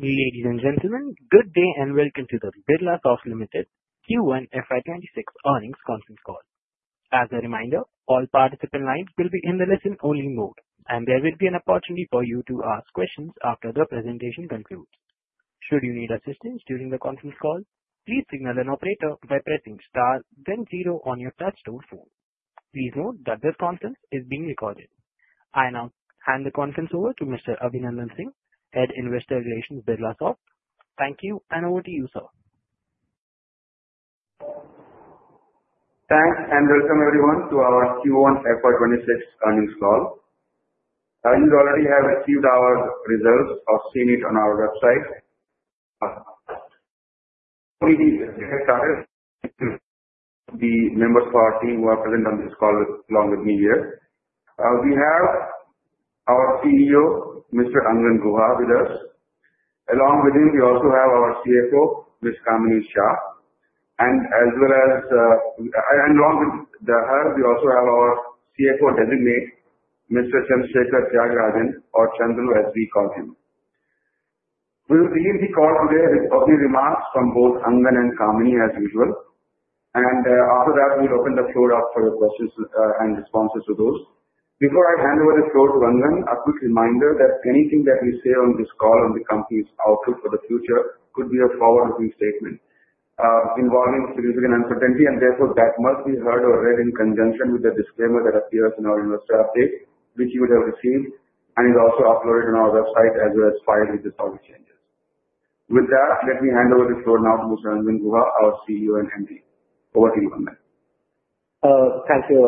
Ladies and gentlemen, good day and welcome to the Birlasoft Limited Q1 FY2026 earnings conference call. As a reminder, all participant lines will be in the listen-only mode, and there will be an opportunity for you to ask questions after the presentation concludes. Should you need assistance during the conference call, please signal an operator by pressing star then zero on your touch-tone phone. Please note that this conference is being recorded. I now hand the conference over to Mr. Abhinandan Singh, Head of Investor Relations at Birlasoft. Thank you, and over to you, sir. Thanks, and welcome everyone to our Q1 FY2026 earnings call. You already have received our results, you've seen it on our website. The members of our team who are present on this call along with me here, we have our CEO, Mr. Angan Guha, with us. Along with him, we also have our CFO, Ms. Kamini Shah, and along with her, we also have our CFO designate, Mr. Chandrasekar Thyagarajan, or Chandru, as we call him. We'll begin the call today with opening remarks from both Angan and Kamini as usual, and after that, we'll open the floor up for your questions and responses to those. Before I hand over the floor to Angan, a quick reminder that anything that we say on this call on the company's outlook for the future could be a forward-looking statement involving significant uncertainty, and therefore that must be heard or read in conjunction with the disclaimer that appears in our investor update, which you would have received, and is also uploaded on our website as well as filed with the public agenda. With that, let me hand over the floor now to Mr. Angan Guha, our CEO and MD. Over to you, Angan. Thank you,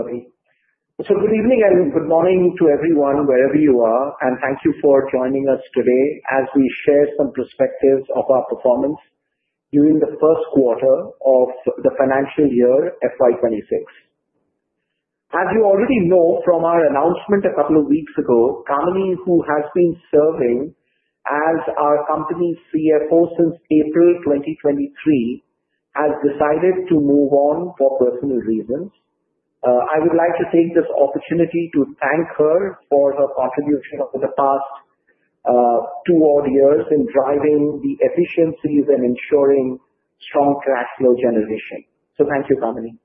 Abhi. Good evening and good morning to everyone, wherever you are, and thank you for joining us today as we share some perspectives of our performance during the first quarter of the financial year FY2026. As you already know from our announcement a couple of weeks ago, Kamini, who has been serving as our company's CFO since April 2023, has decided to move on for personal reasons. I would like to take this opportunity to thank her for her contribution over the past two odd years in driving the efficiencies and ensuring strong cash flow generation. Thank you, Kamini.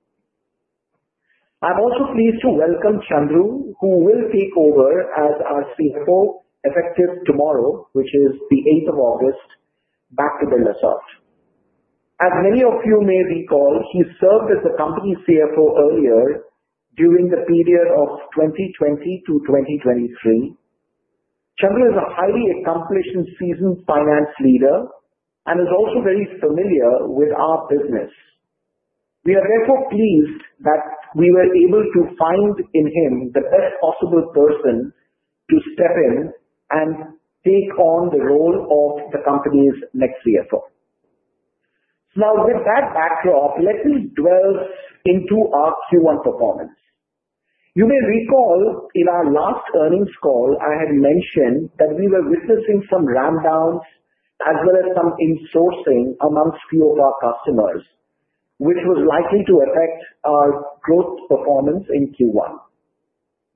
I'm also pleased to welcome Chandru, who will take over as our CFO effective tomorrow, which is the 8th of August, back to Birlasoft. As many of you may recall, he served as the company's CFO earlier during the period of 2020 to 2023. Chandru is a highly accomplished and seasoned finance leader and is also very familiar with our business. We are therefore pleased that we were able to find in him the possible person to step in and take on the role of the company's next CFO. Now, with that backdrop, let's delve into our Q1 performance. You may recall in our last earnings call, I had mentioned that we were witnessing some ramp-downs as well as some insourcing amongst a few of our customers, which was likely to affect our growth performance in Q1.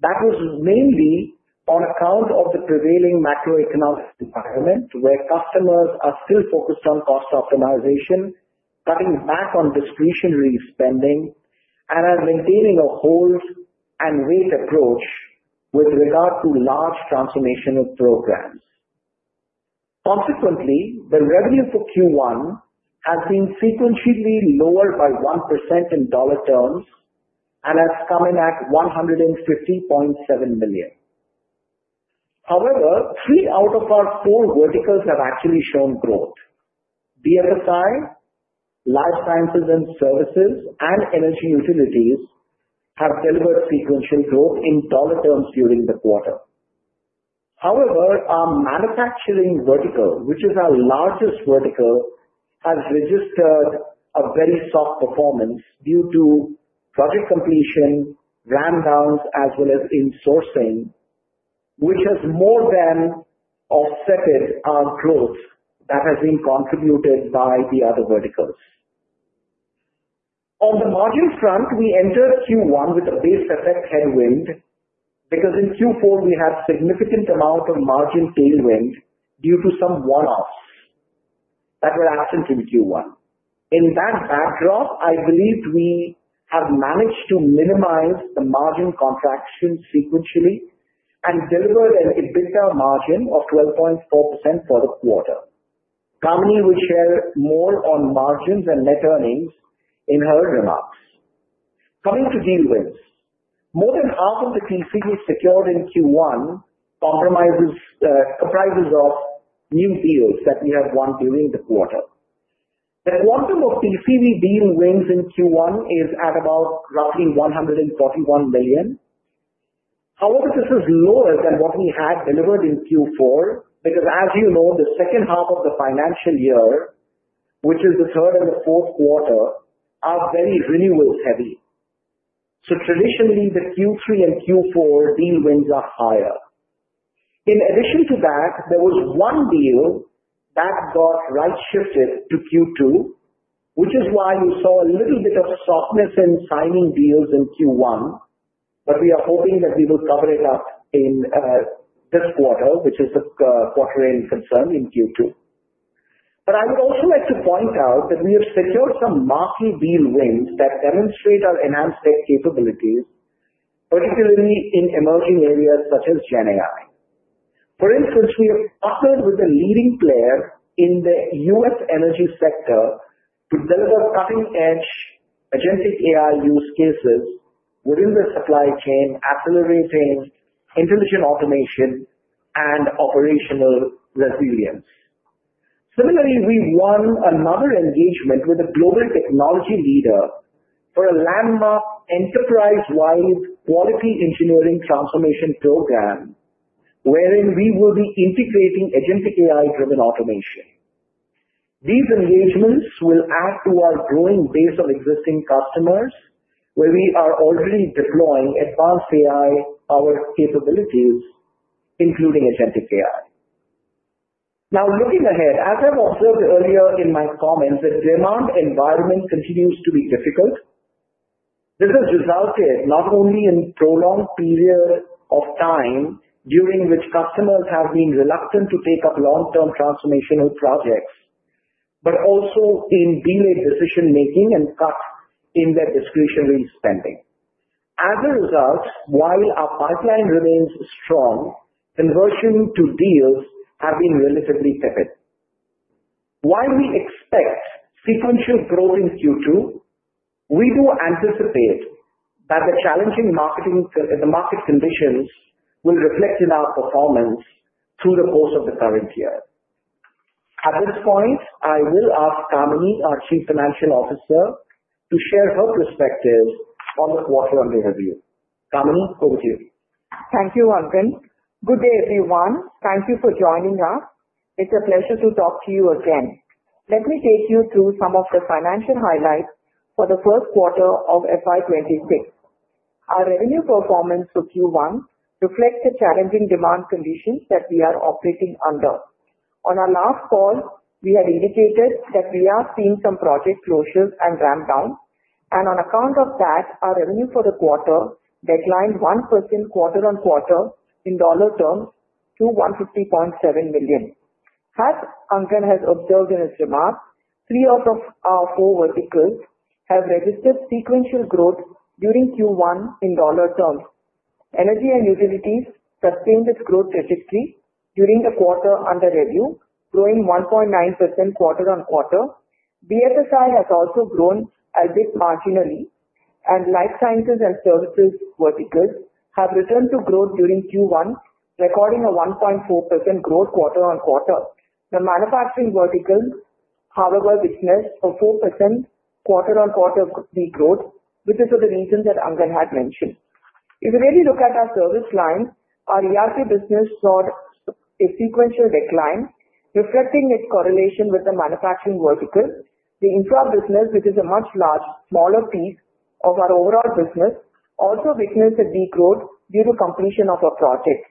That was mainly on account of the prevailing macroeconomic environment where customers are still focused on cost optimization, cutting back on discretionary spending, and are maintaining a hold and wait approach with regard to large transformational programs. Consequently, the revenue for Q1 has been sequentially lowered by 1% in dollar terms and has come in at $150.7 million. However, three out of our four verticals have actually shown growth: BFSI, Life Sciences & Services, and Energy Utilities have delivered sequential growth in dollar terms during the quarter. However, our Manufacturing vertical, which is our largest vertical, has registered a very soft performance due to project completion, ramp-downs, as well as insourcing, which has more than offset our growth that has been contributed by the other verticals. On the margin front, we entered Q1 with a base effect headwind because in Q4 we had a significant amount of margin tailwind due to some one-offs that were happening in Q1. In that backdrop, I believe we have managed to minimize the margin contraction sequentially and delivered an EBITDA margin of 12.4% for the quarter. Kamini will share more on margins and net earnings in her remarks. Coming to deal wins: more than half of the TCVs secured in Q1 comprises the prices of new deals that we have won during the quarter. The quantum of TCV deal wins in Q1 is at about roughly $141 million. However, this is lower than what we had delivered in Q4 because, as you know, the second half of the financial year, which is the third and the fourth quarter, are very renewal heavy. Traditionally, the Q3 and Q4 deal wins are higher. In addition to that, there was one deal that got right-shifted to Q2, which is why you saw a little bit of a softness in signing deals in Q1. We are hoping that we will cover it up in the third quarter, which is the quarterly concern in Q2. I would also like to point out that we have secured some marquee deal wins that demonstrate our enhanced tech capabilities, particularly in emerging areas such as GenAI. For instance, we have partnered with the leading players in the U.S. energy sector to deliver cutting-edge Agentic AI use cases within the supply chain, accelerating intelligent automation and operational resilience. Similarly, we won another engagement with a global technology leader for a landmark enterprise-wide quality engineering transformation program, wherein we will be integrating Agentic AI-driven automation. These engagements will add to our growing base of existing customers, where we are already deploying advanced AI-powered capabilities, including Agentic AI. Now, looking ahead, as I've observed earlier in my comments, the demand environment continues to be difficult. This has resulted not only in a prolonged period of time during which customers have been reluctant to take up long-term transformational projects, but also in delayed decision-making and cuts in their discretionary spending. As a result, while our pipeline remains strong, conversion to deals has been relatively tepid. While we expect sequential growth in Q2, we do anticipate that the challenging market conditions will reflect in our performance through the course of the current year. At this point, I will ask Kamini, our Chief Financial Officer, to share her perspective on the quarter-end review. Kamini, over to you. Thank you, Angan. Good day, everyone. Thank you for joining us. It's a pleasure to talk to you again. Let me take you through some of the financial highlights for the first quarter of FY2026. Our revenue performance for Q1 reflects the challenging demand conditions that we are operating under. On our last call, we had indicated that we have seen some project closures and ramp-downs, and on account of that, our revenue for the quarter declined 1% quarter on quarter in dollar terms to $150.7 million. As Angan has observed in his remarks, three out of our four verticals have registered sequential growth during Q1 in dollar terms. Energy and Utilities sustained its growth statistics during the quarter under review, growing 1.9% quarter on quarter. BFSI has also grown a bit marginally, and Life Sciences & Services verticals have returned to growth during Q1, recording a 1.4% growth quarter on quarter. The Manufacturing vertical harbored a 4% quarter on quarter degrowth, which is for the reasons that Angan had mentioned. If you really look at our service lines, our ERP business saw a sequential decline, reflecting its correlation with the Manufacturing vertical. The Infra business, which is a much smaller piece of our overall business, also witnessed a degrowth due to completion of a project.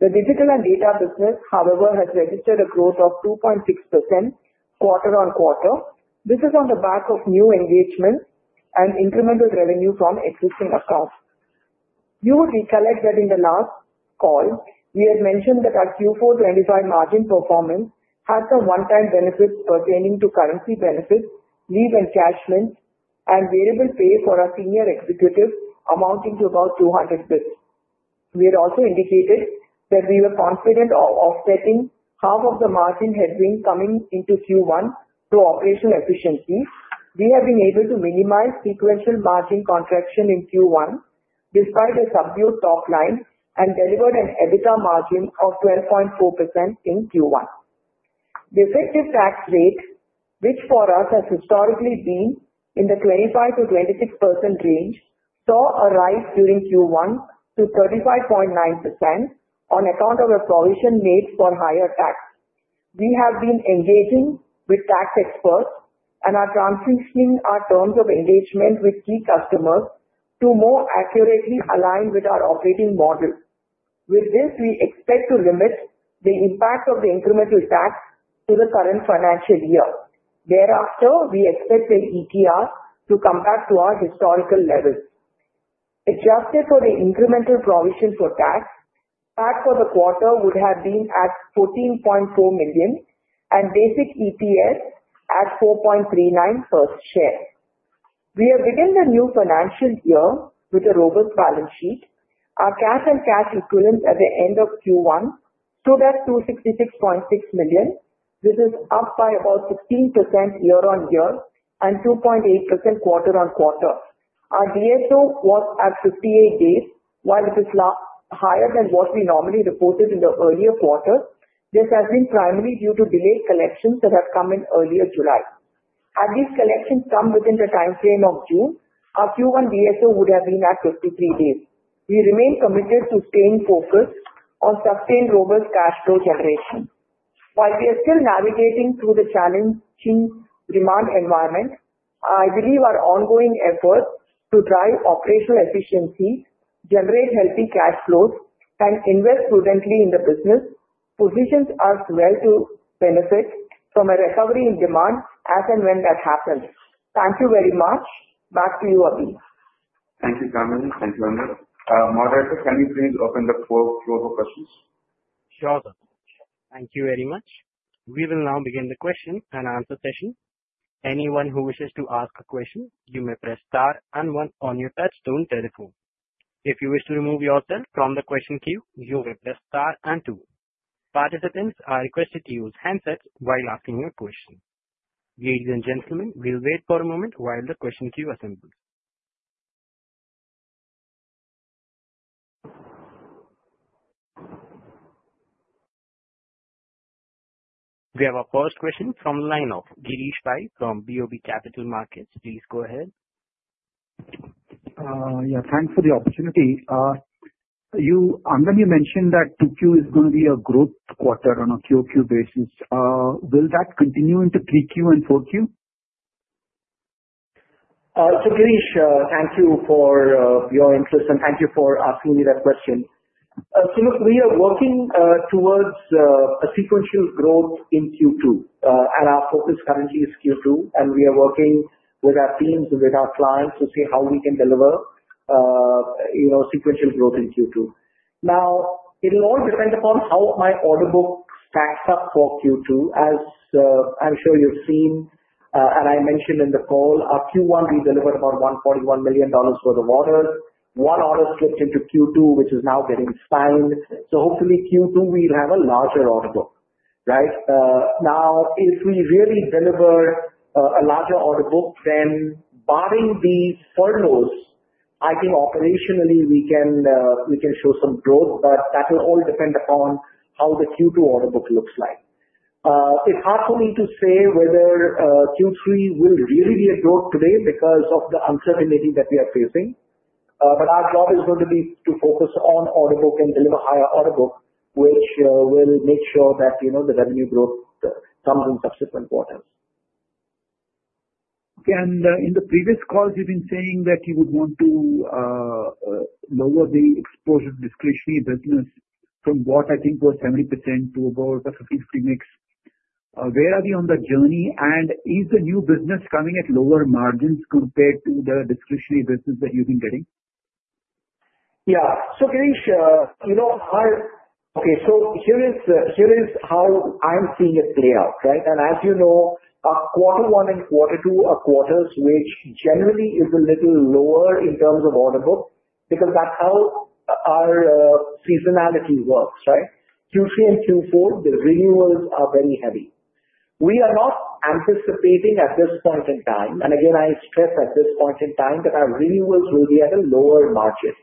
The Digital and Data business, however, has registered a growth of 2.6% quarter on quarter. This is on the back of new engagements and incremental revenue from existing accounts. You would recollect that in the last call, we had mentioned that our Q4 2025 margin performance had some one-time benefits pertaining to currency benefits, leave encashment, and variable pay for our senior executives, amounting to about $200,000. We had also indicated that we were confident of offsetting half of the margin headwind coming into Q1 through operational efficiency. We have been able to minimize sequential margin contraction in Q1 despite a subdued top line and delivered an EBITDA margin of 12.4% in Q1. The effective tax rate, which for us has historically been in the 25%-26% range, saw a rise during Q1 to 35.9% on account of a provision made for higher tax. We have been engaging with tax experts and are transitioning our terms of engagement with key customers to more accurately align with our operating model. With this, we expect to limit the impact of the incremental tax to the current financial year. Thereafter, we expect the ETR to come back to our historical level. Adjusted for the incremental provision for tax, CAC for the quarter would have been at $14.4 million and basic EPS at $4.39 per share. We are within the new financial year with a robust balance sheet. Our cash and cash equivalents at the end of Q1 stood at $266.6 million. This is up by about 15% year-on-year and 2.8% quarter on quarter. Our DSO was at 58 days, while it is higher than what we normally reported in the earlier quarters. This has been primarily due to delayed collections that have come in earlier July. As these collections come within the timeframe of June, our Q1 DSO would have been at 53 days. We remain committed to staying focused on sustained robust cash flow generation. While we are still navigating through the challenging demand environment, I believe our ongoing efforts to drive operational efficiency, generate healthy cash flows, and invest prudently in the business positions us well to benefit from a recovery in demand as and when that happens. Thank you very much. Back to you, Abhi. Thank you, Kamini. Thank you, Angan. Moderator, can we please open the floor for questions? Sure, sir. Thank you very much. We will now begin the question and answer session. Anyone who wishes to ask a question, you may press star and one on your touch-tone telephone. If you wish to remove yourself from the question queue, you may press star and two. Participants are requested to use handsets while asking your question. Ladies and gentlemen, we'll wait for a moment while the question queue assembles. We have our first question from the line of Girish Pai from BOB Capital Markets. Please go ahead. Yeah, thanks for the opportunity. Angan, you mentioned that 2Q is going to be a growth quarter on a QoQ basis. Will that continue into 3Q and 4Q? Girish, thank you for your interest and thank you for asking me that question. Since we are working towards a sequential growth in Q2, and our focus currently is Q2, we are working with our teams and with our clients to see how we can deliver sequential growth in Q2. It will all depend upon how my order book stacks up for Q2. As I'm sure you've seen, and I mentioned in the call, our Q1, we delivered about $141 million worth of orders. One order slipped into Q2, which is now getting styled. Hopefully, Q2 we'll have a larger order book, right? If we really deliver a larger order book, then barring the furloughs, I think operationally we can show some growth, but that will all depend upon how the Q2 order book looks like. It's hard for me to say whether Q3 will really be a growth today because of the uncertainty that we are facing. Our job is going to be to focus on order book and deliver higher order book, which will make sure that the revenue growth comes in touch with the quarter. Okay. In the previous calls, you've been saying that you would want to lower the exposure to discretionary business from what I think was 70% to about a 50% mix. Where are we on the journey? Is the new business coming at lower margins compared to the discretionary business that you've been bidding? Yeah. Girish, you know our quarter one and quarter two are quarters which generally are a little lower in terms of order book because that's how our seasonality works, right? Q3 and Q4, the renewals are very heavy. We are not anticipating at this point in time, and again, I stress at this point in time, that our renewals will be at a lower margin.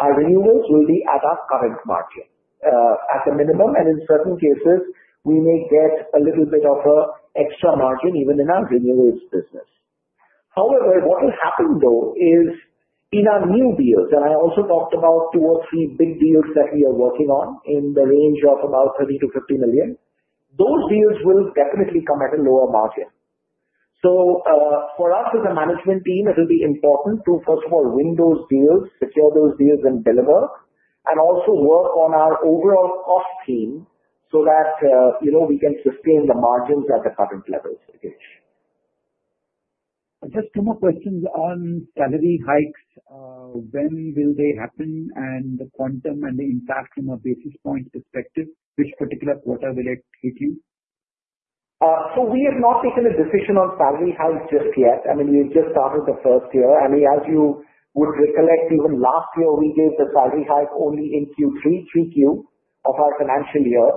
Our renewals will be at our current margin at the minimum, and in certain cases, we may get a little bit of an extra margin even in our renewals business. However, what will happen, though, is in our new deals, and I also talked about two or three big deals that we are working on in the range of about $30 million-$50 million, those deals will definitely come at a lower margin. For us, as a management team, it will be important to, first of all, win those deals, secure those deals, and deliver, and also work on our overall cost team so that, you know, we can sustain the margins at the current levels, I guess. Just two more questions on salary hikes. When will they happen, the quantum, and the impact from a basis point perspective? Which particular quarter will it hit you? We are not making a decision on salary hikes just yet. I mean, we've just started the first year. I mean, as you would recollect, even last year, we gave the salary hike only in Q3, 3Q of our financial year.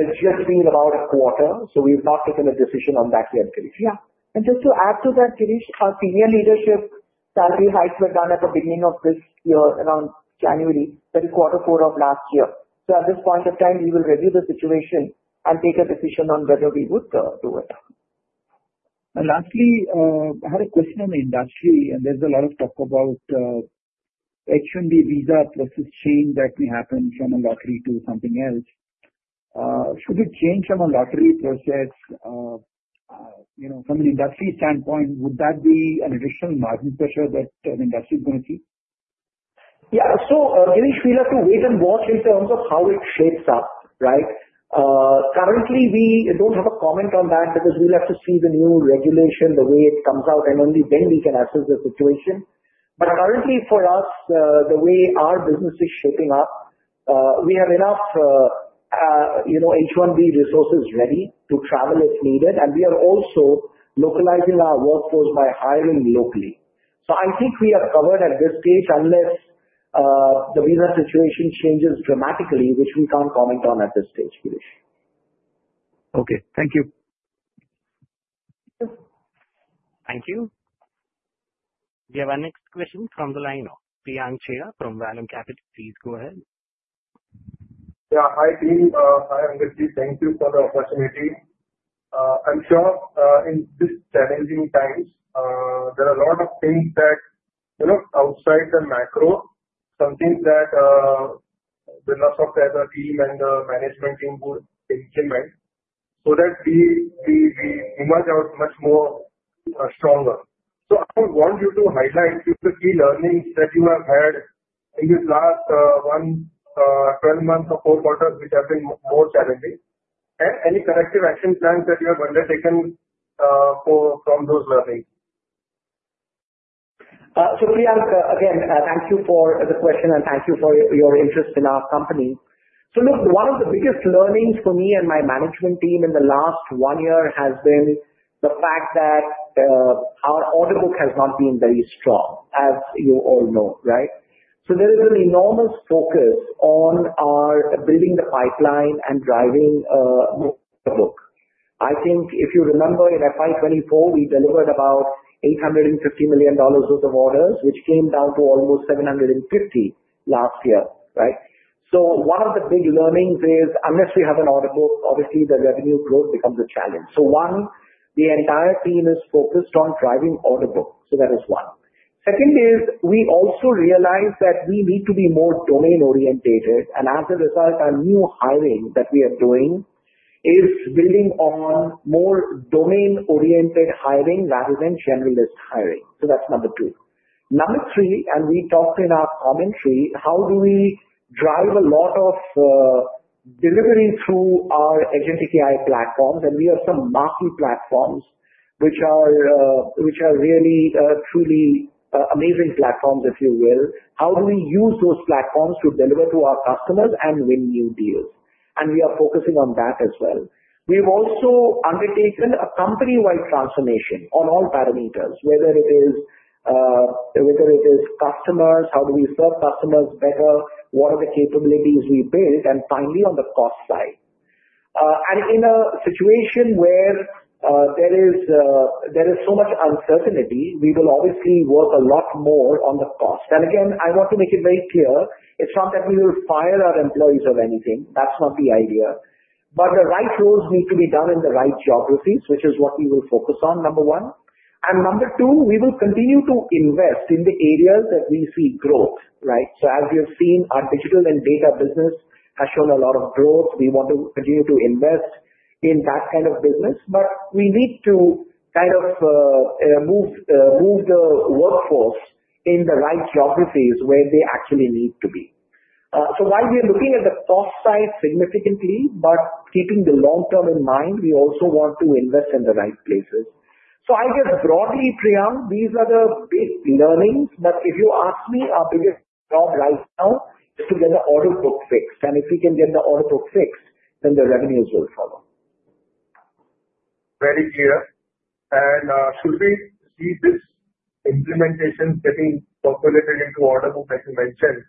It's just been about a quarter, so we've not taken a decision on that yet, Girish. Yeah, just to add to that, Girish, our senior leadership salary hikes were done at the beginning of this year, around January, the quarter four of last year. At this point in time, we will review the situation and take a decision on whether we would do it. Lastly, I had a question on the industry, and there's a lot of talk about, actually, visa process change that can happen from a lottery to something else. Should it change from a lottery process, you know, from an industry standpoint, would that be an additional margin pressure that an industry is going to see? Yeah. Girish, we'll have to wait and watch in terms of how it shapes up, right? Currently, we don't have a comment on that because we'll have to see the new regulation, the way it comes out, and only then we can assess the situation. Currently, for us, the way our business is shaping up, we have enough H-1B resources ready to travel if needed, and we are also localizing our workforce by hiring locally. I think we are covered at this stage unless the visa situation changes dramatically, which we can't comment on at this stage, Girish. Okay, thank you. Thank you. We have our next question from the line of Priyank Chheda from Vallum Capital. Please go ahead. Thank you for the opportunity. I'm sure in this challenging time, there are a lot of things that, you know, outside the macro, something that the love of the team and the management team can manage so that we emerge out much more stronger. I want you to highlight the key learnings that you have had in the last 12 months or four quarters with every board chairman and any corrective action plans that you have undertaken from those learnings. Priyank, again, thank you for the question and thank you for your interest in our company. One of the biggest learnings for me and my management team in the last one year has been the fact that our order book has not been very strong, as you all know, right? There is an enormous focus on building the pipeline and driving order book. I think if you remember, in FY2024, we delivered about $850 million worth of orders, which came down to almost $750 million last year, right? One of the big learnings is, unless we have an order book, obviously, the revenue growth becomes a challenge. The entire team is focused on driving order book. That is one. Second is, we also realize that we need to be more domain-oriented. As a result, our new hiring that we are doing is building on more domain-oriented hiring rather than generalist hiring. That's number two. Number three, and we talked in our commentary, how do we drive a lot of delivery through our Agentic AI platforms? We have some marketing platforms which are really, truly amazing platforms, if you will. How do we use those platforms to deliver to our customers and win new deals? We are focusing on that as well. We've also undertaken a company-wide transformation on all parameters, whether it is customers, how do we serve customers better, what are the capabilities we build, and finally, on the cost side. In a situation where there is so much uncertainty, we will obviously work a lot more on the cost. I want to make it very clear, it's not that we will fire our employees or anything. That's not the idea. The right roles need to be done in the right geographies, which is what we will focus on, number one. Number two, we will continue to invest in the areas that we see growth, right? As we have seen, our digital and data business has shown a lot of growth. We want to continue to invest in that kind of business. We need to kind of move the workforce in the right geographies where they actually need to be. While we are looking at the cost side significantly, but keeping the long term in mind, we also want to invest in the right places. I guess broadly, Priyank, these are the big learnings. If you ask me, our biggest job right now is to get the order book fixed. If we can get the order book fixed, then the revenues will follow. Very clear. Please ensure implementation is getting properly put into order, as you mentioned,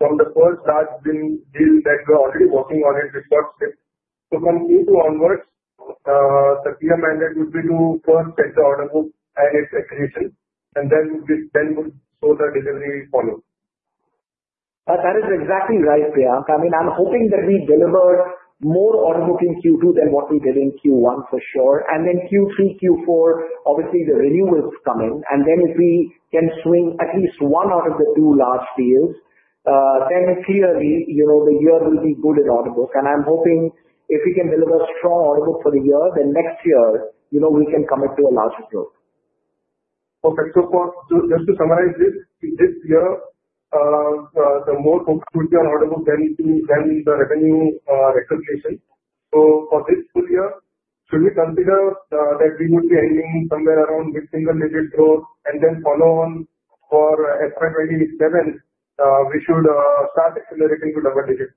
from the first large deal that we're already working on and discussed. From Q2 onwards, the PM mandate would be to first get the order book and its accuracy, and then we would go to the delivery following. That is exactly right, Priyank. I'm hoping that we deliver more order book in Q2 than what we did in Q1, for sure. Q3, Q4, obviously, the renewals come in. If we can swing at least one out of the two large deals, in theory, the year will be good in order book. I'm hoping if we can deliver a strong order book for the year, then next year we can commit to a larger growth. Okay. Just to summarize this, this year, the more focus on order book there is the revenue recognition. For this year, should we consider that we would be aiming somewhere around single digit growth and then follow on for FY2027, we should start accelerating to double digit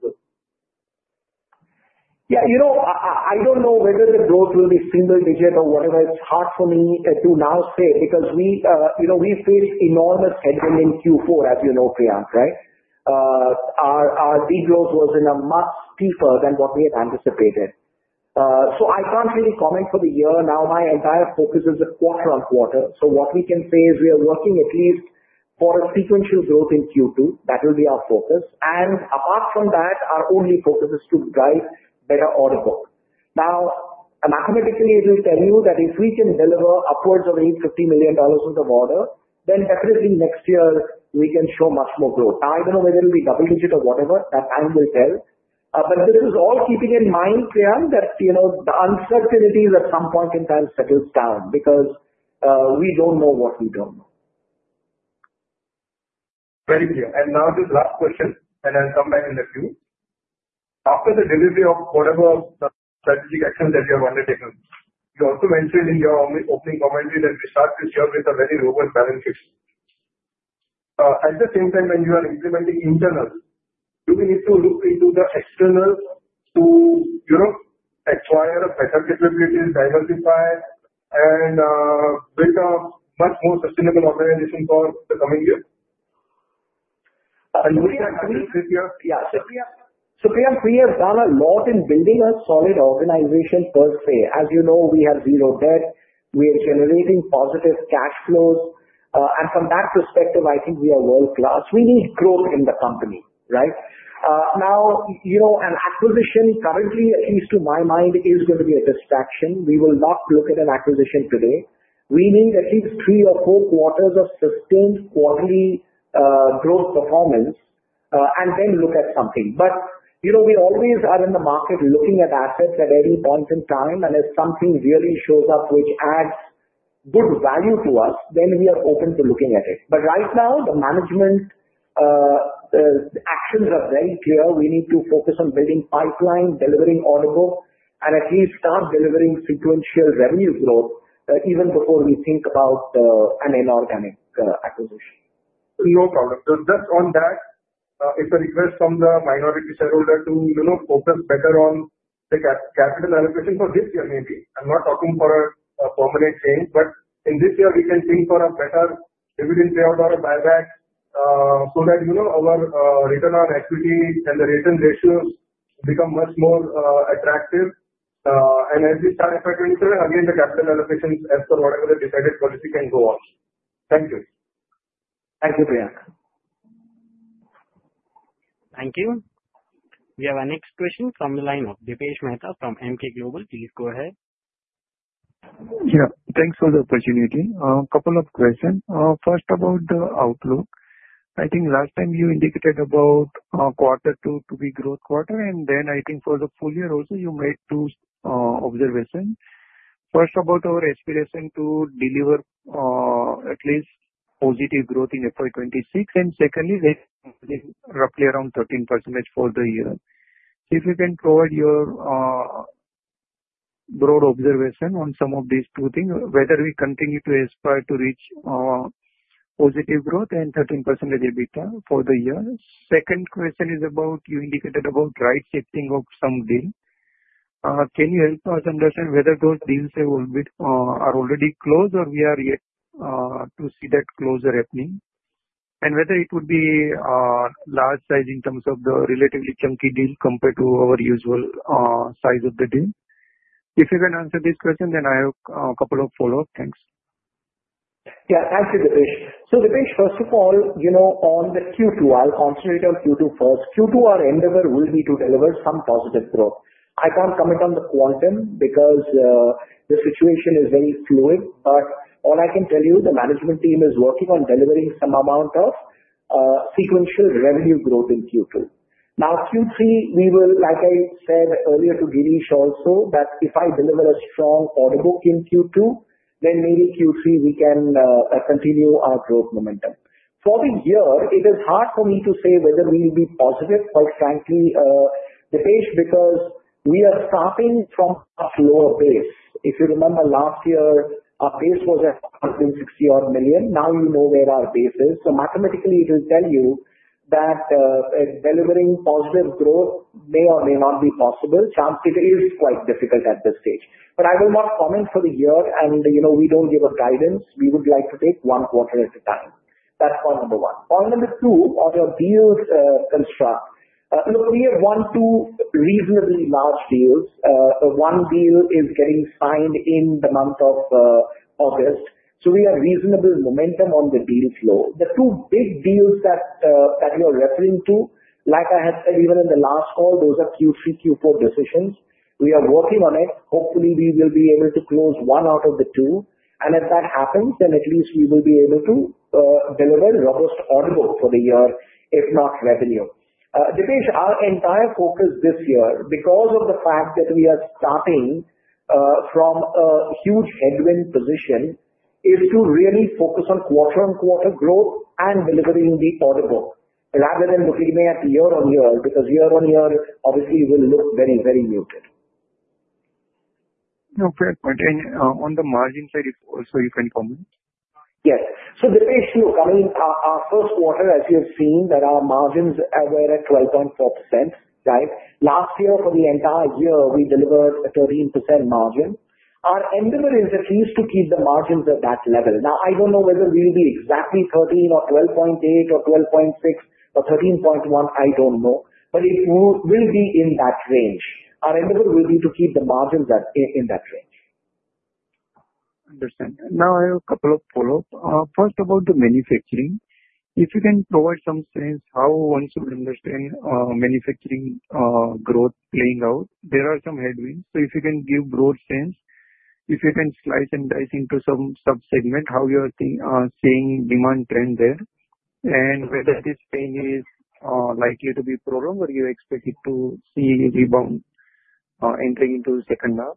growth? Yeah, you know, I don't know whether the growth will be single-digit or whatever. It's hard for me to now say because we, you know, we faced enormous headwind in Q4, as you know, Priyank, right? Our degrowth was in a mark deeper than what we had anticipated. I can't really comment for the year. Now, my entire focus is the quarter on quarter. What we can say is we are working at least for a sequential growth in Q2. That will be our focus. Apart from that, our only focus is to drive better order book. Mathematically, I will tell you that if we can deliver upwards of $850 million worth of orders, then definitely next year we can show much more growth. I don't know whether it will be double digits or whatever. That time will tell. This is all keeping in mind, Priyank, that the uncertainty is at some point in time settled down because we don't know what we don't know. Very clear. Just last question, and I'll come back in a few. After the delivery of whatever strategic action that you have undertaken, you also mentioned in your opening commentary that we start this year with a very robust balance sheet. At the same time, when you are implementing internal, do we need to look into the external, you know, acquire better capabilities, diversify, and build a much more sustainable organization for the coming year? Priyank. Done a lot in building a solid organization per se. As you know, we have zero debt. We are generating positive cash flows. From that perspective, I think we are world-class. We need growth in the company, right? Now, you know, an acquisition currently, at least to my mind, is going to be a distraction. We will not look at an acquisition today. We need at least three or four quarters of sustained quarterly growth performance, then look at something. You know, we always are in the market looking at assets at any point in time, and if something really shows up which adds good value to us, we are open to looking at it. Right now, the management actions are very clear. We need to focus on building pipeline, delivering order book, and at least start delivering sequential revenue growth even before we think about an inorganic acquisition. No problem. Just on that, it's a request from the minority shareholder to focus better on the capital allocation for this year, maybe. I'm not talking for a permanent change, but in this year, we can think for a better dividend yield or a buyback so that, you know, our return on equity and the return ratio become much more attractive. As we start FY2027, again, the capital allocation as per whatever the deepest policy can go on. Thank you. Thank you, Priyank. Thank you. We have our next question from the line of Dipesh Mehta from MK Global. Please go ahead. Yeah, thanks for the opportunity. A couple of questions. First, about the outlook. I think last time you indicated about quarter two to be a growth quarter, and then I think for the full year also, you made two observations. First, about our aspiration to deliver at least positive growth in FY 26, and secondly, roughly around 13% for the year. If you can provide your broad observation on some of these two things, whether we continue to aspire to reach our positive growth and 13% EBITDA for the year. Second question is about you indicated about right-shifting of some deals. Can you help us understand whether those deals are already closed or we are yet to see that closure happening? Whether it would be a large size in terms of the relatively chunky deal compared to our usual size of the deal? If you can answer this question, then I have a couple of follow-up. Thanks. Yeah, absolutely. Dipesh, first of all, on this Q2, I'll answer it on Q2 first. Q2, our endeavor will be to deliver some positive growth. I can't comment on the quantum because the situation is very fluid. All I can tell you, the management team is working on delivering some amount of sequential revenue growth in Q2. Now, Q3, like I said earlier to Girish also, if I deliver a strong order book in Q2, then maybe Q3 we can continue our growth momentum. For the year, it is hard for me to say whether we will be positive or frankly defeated because we are starting from a lower base. If you remember last year, our base was at $160 million. Now you know where our base is. Mathematically, it will tell you that delivering positive growth may or may not be possible. It is quite difficult at this stage. I will not comment for the year, and you know we don't give a guidance. We would like to take one quarter at a time. That's point number one. Point number two, on your deals construct, we have one, two reasonably large deals. One deal is getting signed in the month of August. We have reasonable momentum on the deal flow. The two big deals that we are referring to, like I had said even in the last call, those are Q3, Q4 decisions. We are working on it. Hopefully, we will be able to close one out of the two. If that happens, then at least we will be able to deliver robust order book for the year, if not revenue. Dipesh, our entire focus this year, because of the fact that we are starting from a huge headwind position, is to really focus on quarter on quarter growth and delivering the order book rather than looking at year on year because year on year, obviously, we will look very, very muted. Great point. On the margin side, you can comment? Yes. Dipesh, I mean, our first quarter, as you've seen, that our margins were at 12.4%. Last year, for the entire year, we delivered a 13% margin. Our endeavor is at least to keep the margins at that level. Now, I don't know whether we'll be exactly 13 or 12.8 or 12.6 or 13.1. I don't know. It will be in that range. Our endeavor will be to keep the margins in that range. Understand. Now, I have a couple of follow-ups. First, about the manufacturing, if you can provide some sense, how one should understand manufacturing growth playing out. There are some headwinds. If you can give a broad sense, if you can slice and dice into some subsegments, how you are seeing demand trends there, and whether this thing is likely to be prolonged or you expect it to see rebound entering into the second half.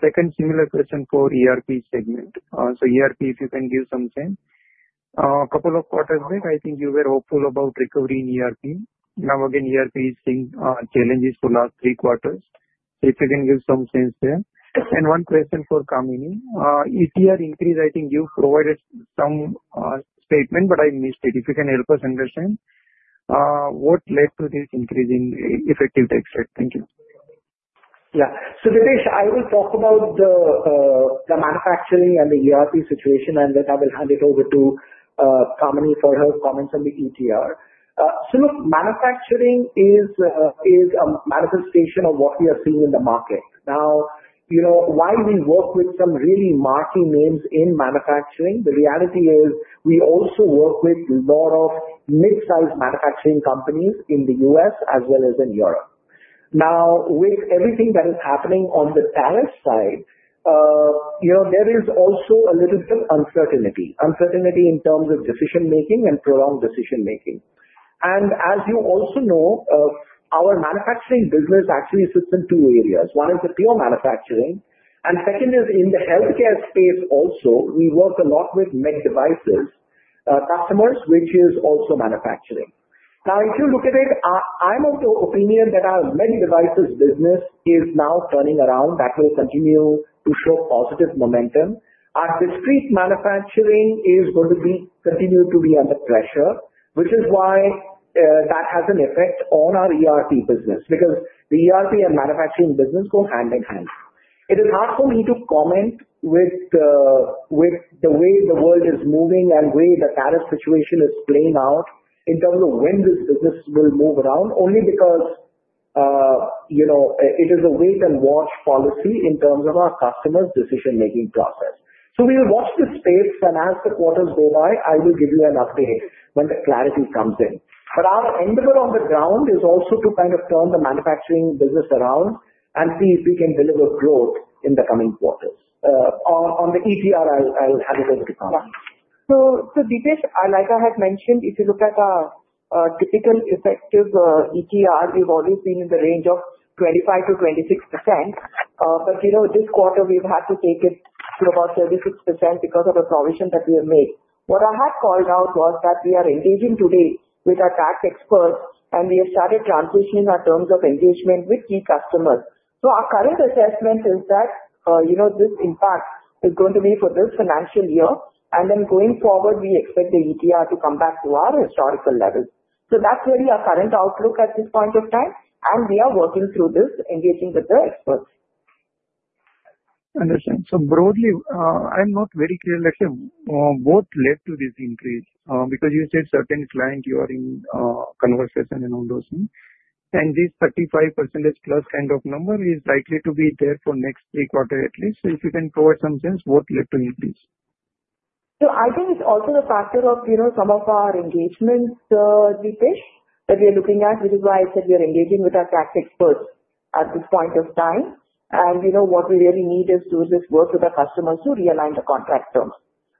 Second, similar question for ERP segment. ERP, if you can give some sense, a couple of quarters back, I think you were hopeful about recovering ERP. Now, again, ERP is seeing challenges for the last three quarters. If you can give some sense there. One question for Kamini: ETR increase, I think you provided some statement, but I missed it. If you can help us understand what led to this increase in effective tax rate. Thank you. Yeah. Dipesh, I will talk about the manufacturing and the ERP situation, and then I will hand it over to Kamini for her comments on the ETR. Look, manufacturing is a manifestation of what we are seeing in the market. Now, you know, while we work with some really marquee names in manufacturing, the reality is we also work with a lot of mid-sized manufacturing companies in the U.S. as well as in Europe. With everything that is happening on the tariff side, you know, there is also a little bit of uncertainty, uncertainty in terms of decision-making and prolonged decision-making. As you also know, our manufacturing business actually sits in two areas. One is the pure manufacturing, and second is in the healthcare space also. We work a lot with med devices customers, which is also manufacturing. If you look at it, I'm of the opinion that our med devices business is now turning around. That will continue to show positive momentum. Our discrete manufacturing is going to continue to be under pressure, which is why that has an effect on our ERP business because the ERP and manufacturing business go hand in hand. It is hard for me to comment with the way the world is moving and the way the tariff situation is playing out in terms of when this business will move around, only because you know it is a wait-and-watch policy in terms of our customers' decision-making process. We will watch this space, and as the quarters go by, I will give you an update when the clarity comes in. Our endeavor on the ground is also to kind of turn the manufacturing business around and see if we can deliver growth in the coming quarter. On the ETR, I'll hand it over to Kamini. Dipesh, like I had mentioned, if you look at our typical effective ETRs, we've always been in the range of 25%-26%. This quarter, we've had to take it to about 36% because of the provision that we have made. What I had called out was that we are engaging today with our tax expert, and we have started transitioning our terms of engagement with key customers. Our current assessment is that this impact is going to be for this financial year. Going forward, we expect the ETR to come back to our historical level. That's really our current outlook at this point of time. We are working through this, engaging with the experts. Understand. Broadly, I'm not very clear. Let's say both led to this increase because you said certain clients you are in conversation and all those things. This 35%+ kind of number is likely to be there for the next three quarters at least. If you can provide some sense, what led to increase? I think it's also the factor of some of our engagements, Dipesh, that we are looking at, which is why I said we are engaging with our tax experts at this point of time. What we really need is to do this work with our customers to realign the contract terms,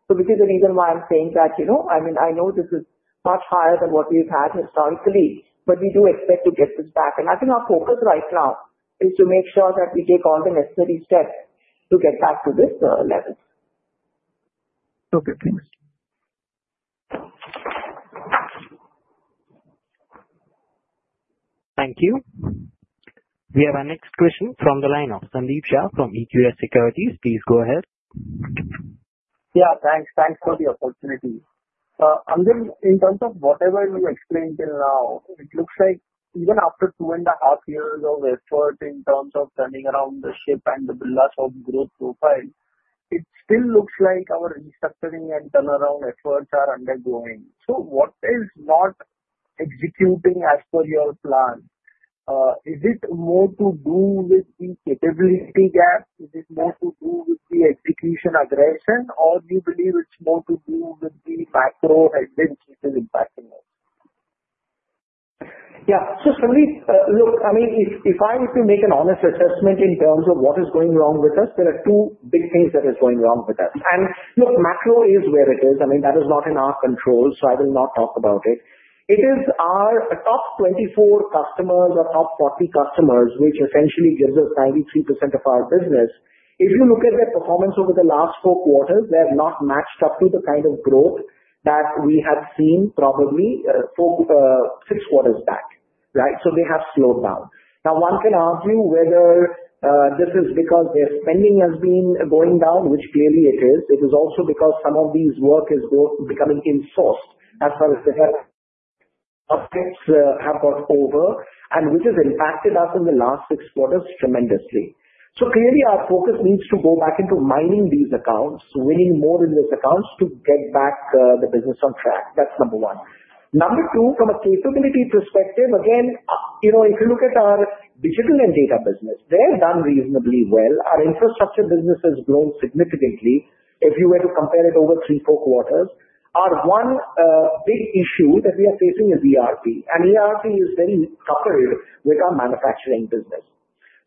which is the reason why I'm saying that I know this is much higher than what we've had historically, but we do expect to get this back. I think our focus right now is to make sure that we take on the necessary steps to get back to this level. Okay, thanks. Thank you. We have our next question from the line of Sandeep Shah from Equirus Securities. Please go ahead. Yeah, thanks. Thanks for the opportunity. Angan, in terms of whatever you explained till now, it looks like even after two and a half years of effort in terms of turning around the ship and the build-up of growth profile, it still looks like our restructuring and turnaround efforts are undergoing. What is not executing as per your plan? Is it more to do with the capability gap? Is it more to do with the execution aggression? Or do you believe it's more to do with the macro advantages impacting us? Yeah. For me, look, if I were to make an honest assessment in terms of what is going wrong with us, there are two big things that are going wrong with us. Macro is where it is. That is not in our control, so I will not talk about it. It is our top 24 customers or top 40 customers, which essentially gives us 93% of our business. If you look at their performance over the last four quarters, they have not matched up to the kind of growth that we have seen probably four, six quarters back, right? They have slowed down. Now, one can argue whether this is because their spending has been going down, which clearly it is. It is also because some of this work is becoming insourced. That's why we said our upgrades have gone over, which has impacted us in the last six quarters tremendously. Clearly, our focus needs to go back into mining these accounts, winning more in these accounts to get back the business on track. That's number one. Number two, from a capability perspective, again, if you look at our digital and data business, they have done reasonably well. Our infrastructure business has grown significantly. If you were to compare it over three, four quarters, our one big issue that we are facing is ERP. ERP is very puckered with our manufacturing business.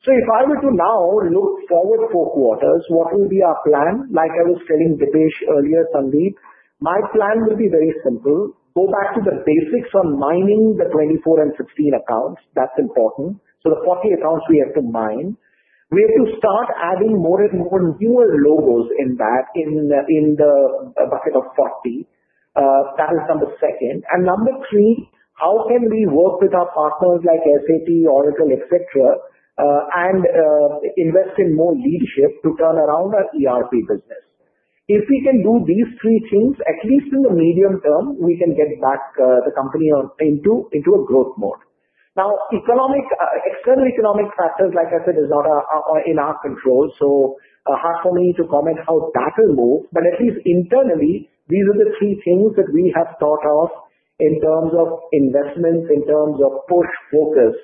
If I were to now look forward four quarters, what will be our plan? Like I was telling Dipesh earlier, Sandeep, my plan will be very simple. Go back to the basics on mining the 24 and 16 accounts. That's important. The 40 accounts we have to mine. We have to start adding more and more newer logos in that, in the bucket of 40. That is number second. Number three, how can we work with our partners like SAP, Oracle, etc., and invest in more leadership to turn around our ERP business? If we can do these three things, at least in the medium term, we can get back the company into a growth mode. External economic factors, like I said, are not in our control. Hard for me to comment how that will move. At least internally, these are the three things that we have thought of in terms of investments, in terms of post-focus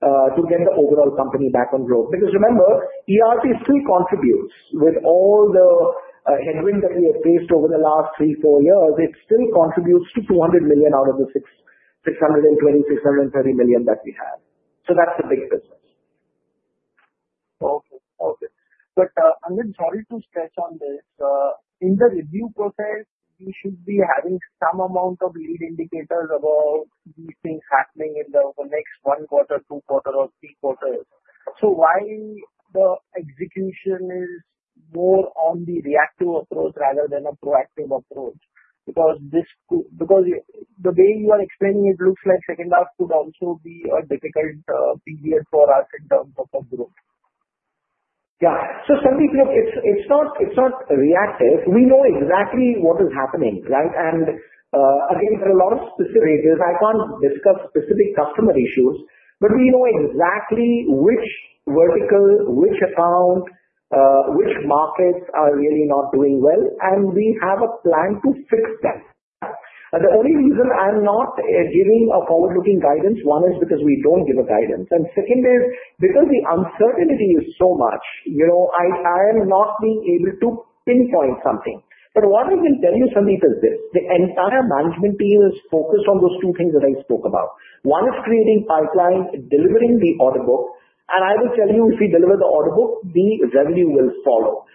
to get the overall company back on growth. Because remember, ERP still contributes with all the headwind that we have faced over the last three, four years. It still contributes to $200 million out of the $620 million, $630 million that we have. That's a big business. Okay. Okay. Angan, sorry to stretch on this. In the review process, we should be having some amount of lead indicators about these things happening in the next one quarter, two quarters, or three quarters. Why is the execution more on the reactive approach rather than a proactive approach? The way you are explaining, it looks like the second half could also be a difficult period for us in terms of our growth. Yeah. Sandeep, it's not reactive. We know exactly what is happening, right? There are a lot of specifics. I can't discuss specific customer issues, but we know exactly which vertical, which account, which markets are really not doing well, and we have a plan to fix this. The only reason I'm not giving a forward-looking guidance, one is because we don't give a guidance, and second is because the uncertainty is so much, you know, I shall not be able to pinpoint something. What I can tell you, Sandeep, is this. The entire management team is focused on those two things that I spoke about. One is creating pipeline, delivering the order book. I will tell you, if we deliver the order book, the revenue will follow.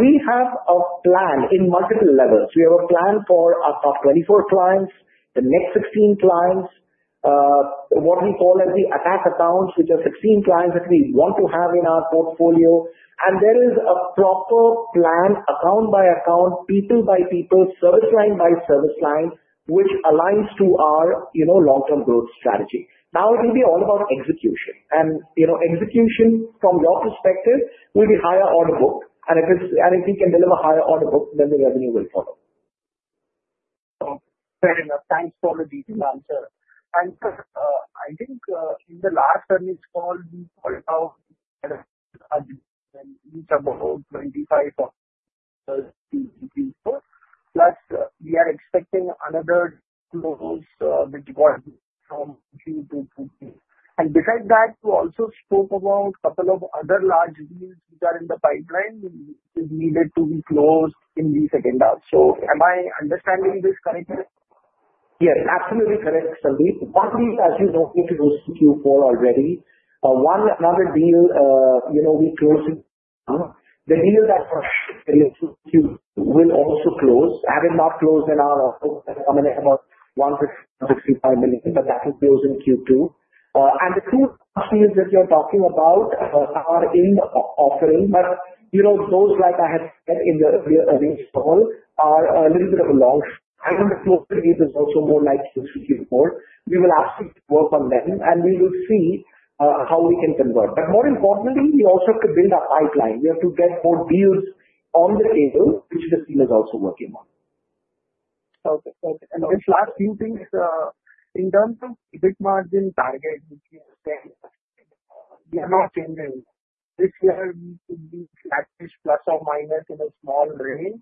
We have a plan in multiple levels. We have a plan for our top 24 clients, the next 16 clients, what we call as the attack accounts, which are 16 clients that we want to have in our portfolio. There is a proper plan, account by account, people by people, service line by service line, which aligns to our long-term growth strategy. Now, it will be all about execution. Execution from your perspective will be higher order book, and if we can deliver higher order book, then the revenue will follow. Thanks for the detailed answer. I think in the last term, it's called, I think, 25 or 30 people. Plus, we are expecting another closed deployment from Q2 to Q3. Besides that, you also spoke about a couple of other large deals that are in the pipeline that needed to be closed in the second half. Am I understanding this correctly? Yes, absolutely correct, Sandeep. As you know, we closed Q4 already. Another deal we closed in, the deal that was in Q2 will also close. That is not closed in our office at a minute about $165 million, but that will close in Q2. The three options that you're talking about are in offering, but you know, those, like I had said in the earlier call, are a little bit of a loss. I think the floor phase is also more likely to be Q4. We will actually work on them, and we will see how we can convert. More importantly, we also have to build our pipeline. We have to get more deals on the table, which this deal is also working on. Okay. Okay. In terms of big margin targets, which is flattish this year we could reach that, plus or minus in a small range.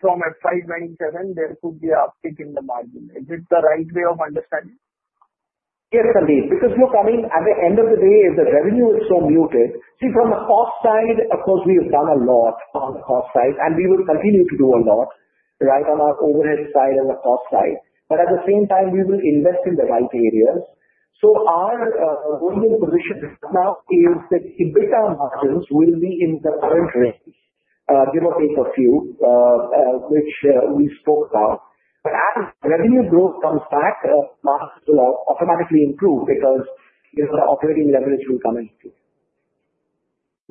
From a 597, there could be an uptick in the margin. Is this the right way of understanding? Yes, Sandeep, because you're coming at the end of the day, if the revenue is so muted. From the cost side, of course, we have done a lot on the cost side, and we will continue to do a lot on our overhead side and the cost side. At the same time, we will invest in the right areas. Our overall position now is that if our margins will be in the current range, zero pay per view, which we spoke about. As revenue growth comes back, the market will automatically improve because the operating leverage will come in.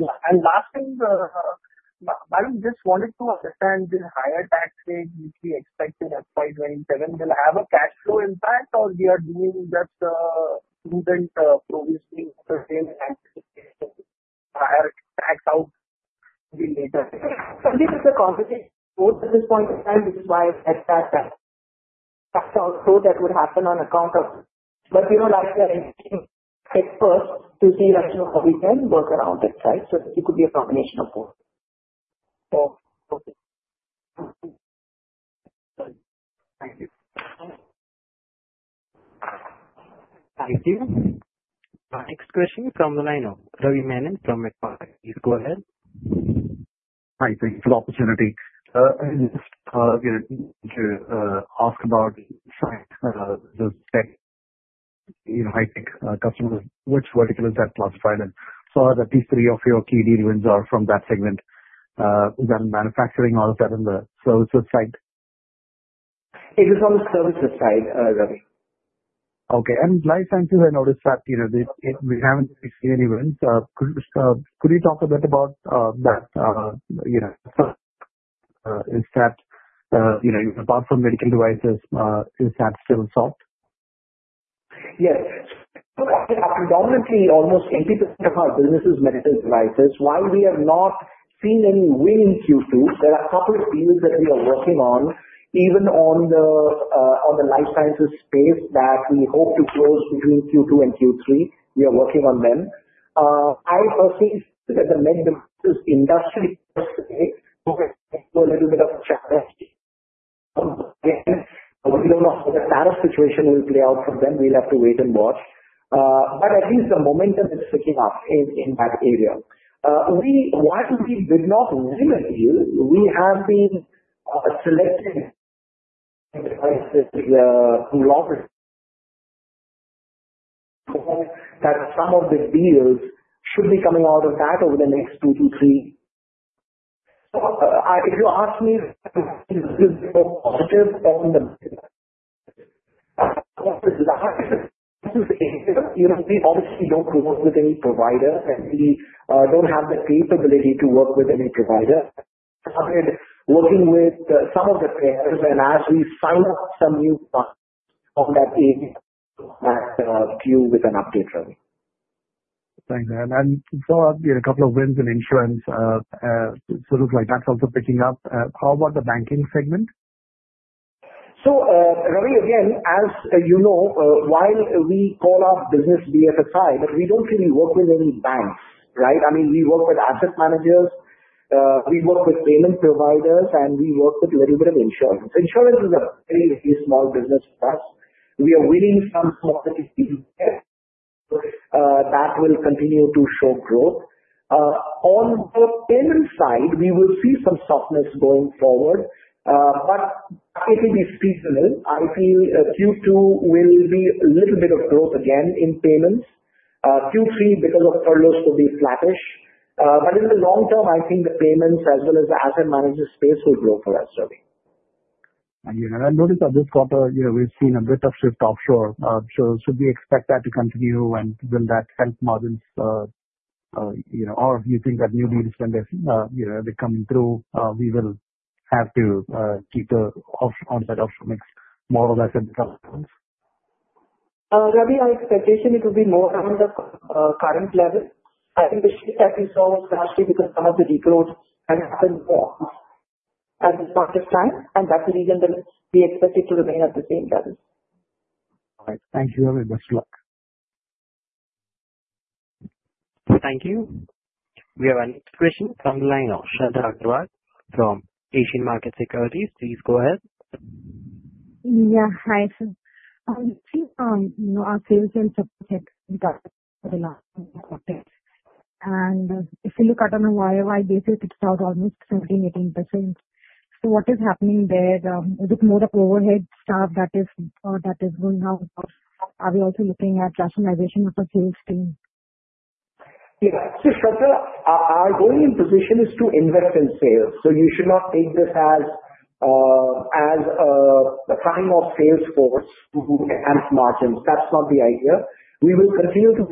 Yeah, last thing, I just wanted to understand the higher tax rate which we expected at 597, will have a cash flow impact, or we are doing that we can provision certain tax rates? The higher tax out will be later. Sandeep, it's a combination of both points. This is why I said that cash flow would happen on account of it. I'm seeing experts to see how we can work around it, right? It could be a combination of both. Okay. Thank you. Our next question from the line of Ravi Menon from Macquarie Group. Please go ahead. Thank you for the opportunity. If you ask about the spec, I think customers, which verticals that classify them. At least three of your key deal events are from that segment. Is that in manufacturing or is that in the services side? It is on the services side, Ravi. In Life Sciences & Services, I noticed that, you know, we haven't seen any wins. Could you talk a bit about that? Is that, you know, apart from medical devices, is that still solved? Yes. Predominantly, almost 80% of our business is medical devices. While we have not seen any winning cases, there are a couple of deals that we are working on, even in the Life Sciences & Services space that we hope to close between Q2 and Q3. We are working on them. I would say it's the medical devices industry. I wouldn't know how the tariff situation will play out for them. We'll have to wait and watch. At least the momentum is picking up in that area. The only reason we did not win a deal is we have been selecting globally. Some of the deals should be coming out of that over the next two to three. If you ask me, you know, we obviously don't work with any provider, and we don't have the capability to work with any provider. Working with some of the payers, and as we spiral out some new parts of that game, I'll cue with an update, Ravi. Thanks. For a couple of wins in insurance, it looks like that's also picking up. How about the banking segment? Ravi, again, as you know, while we call our business BFSI, we don't really work with any banks, right? I mean, we work with asset managers, we work with payment providers, and we work with a little bit of insurance. Insurance is a very small business for us. We are winning some positive deals that will continue to show growth. On the payments side, we will see some softness going forward. It will be seasonal until Q2, with a little bit of growth again in payments. Q3, because of furloughs, will be flattish. In the long term, I think the payments as well as the asset management space will grow for us, Ravi. Yeah, I noticed that this quarter, you know, we've seen a bit of shift offshore. Should we expect that to continue, and will that help margins? Do you think that new deals can be coming through? We will have to keep the offshore mix more or less in the current balance? Ravi, our expectation is it will be more around the current level. I think the shift has been so drastic because some of the rebroad has happened at the market side. That's the reason that we expect it to remain at the same level. All right. Thanks. You have a nice luck. Thank you. We have a next question from the line of Shradha Agrawal from Asian Markets Securities. Please go ahead. Yeah. Hi, sir. See, you know, our sales and support had gone up within our quarter. If you look at it on a YOY basis, it's down almost 17%, 18%. What is happening there? Is it more the overhead staff that is going down? Are we also looking at rationalization of the sales team? Shradha, our going in position is to invert in sales. You should not take this as a fan of sales force who amps margins. That's not the idea. We will continue to.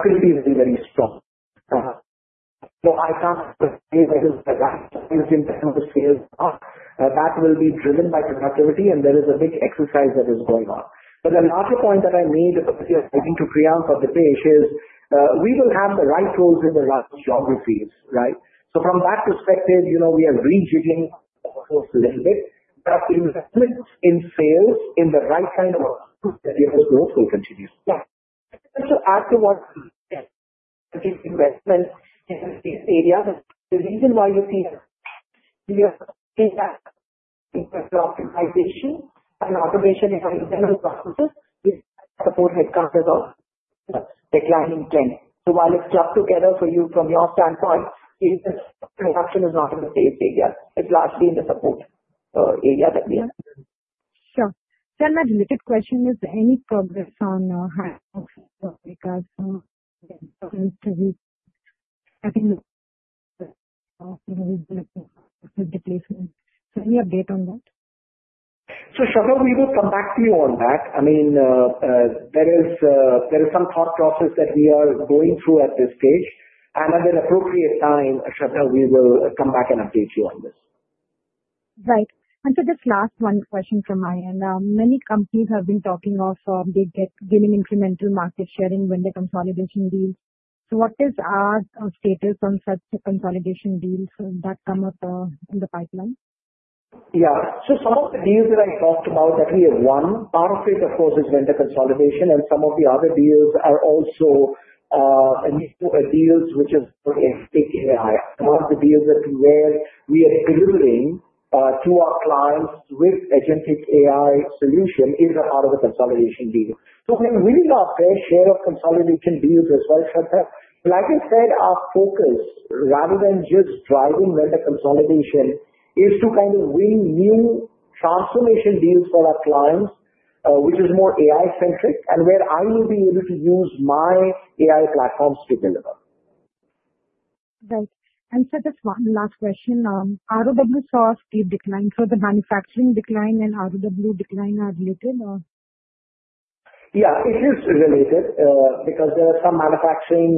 Very, very, very strong. I can't say that it is the last. It is in terms of sales. That will be driven by productivity, and there is a big exercise that is going on. Another point that I made, I think, to Priyank or Dipesh is we will have the right tools in the right geographies, right? From that perspective, you know, we are rejigging a little bit. In sales, in the right kind of a route that you have to go to continue. Yeah, to add to what you said, investment in this area, the reason why you see that we are seeing that the personalization and automation is on the general process is support has started a declining trend. While it's just together for you from your standpoint, it is production is not in the sales area. It's largely in the support area that we are. Sure. My related question is any progress on the deplacement? Any update on that? There is some thought process that we are going through at this stage. At an appropriate time, Sharada, we will come back and update you on this. Right. Just last one question from my end. Many companies have been talking of getting incremental market share in vendor consolidation deals. What is our status on such consolidation deals that come up in the pipeline? Yeah. Some of the deals that I talked about, that we have won, part of it, of course, is vendor consolidation, and some of the other deals are also deals which are part of stick AI. Part of the deals that we are delivering to our clients with A gentic AI solution is a part of a consolidation deal. We're winning our fair share of consolidation deals as well. Like I said, our focus, rather than just driving vendor consolidation, is to kind of win new transformation deals for our clients, which is more AI-centric and where I will be able to use my AI platforms to deliver. Right. Just one last question. ROW saw a steep decline for the manufacturing decline, and ROW decline are related? Yeah, it is related because there are some manufacturing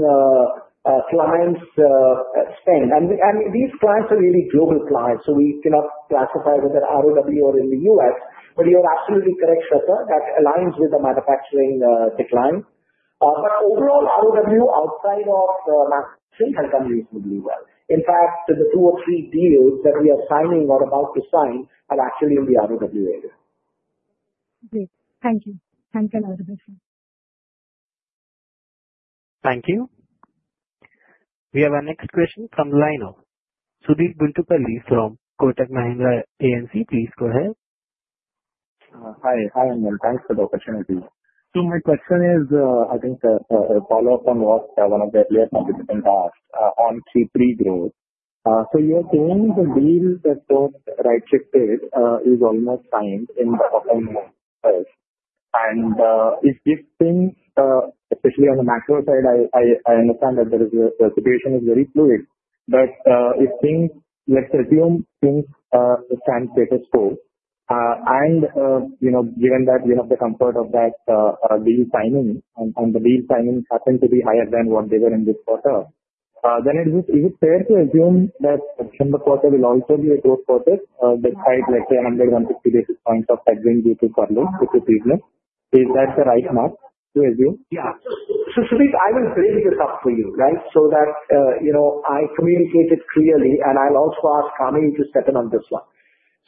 clients staying. These clients are really global clients, so we cannot classify whether ROW or in the U.S. You're absolutely correct, Shadha, that aligns with the manufacturing decline. Our overall ROW outside of the manufacturing has done reasonably well. In fact, the two or three deals that we are signing or about to sign are actually in the ROW area. Okay. Thank you. Thank you. Thank you. We have our next question from the line of Sudheer Guntupalli from Kotak Mahindra AMC. Please go ahead. Hi. Hi, Angan. Thanks for the opportunity. My question is, I think, a follow-up on what one of the earlier participants asked on Q3 growth. You're saying the deal that the right shift is almost signed in the upcoming months. If this thing, especially on the macro side, I understand that the situation is very fluid. If things, let's assume things stand status quo, and you know, given that you have the comfort of that deal signing and the deal signing happened to be higher than what they were in this quarter, is it fair to assume that September quarter will also be a growth quarter despite, let's say, another 150 basis points of headwind due to furloughs? If that's the right mark to assume? Yeah. Sudheer, I will break this up for you, right, so that you know I communicate it clearly, and I'll also ask Kamini to step in on this one.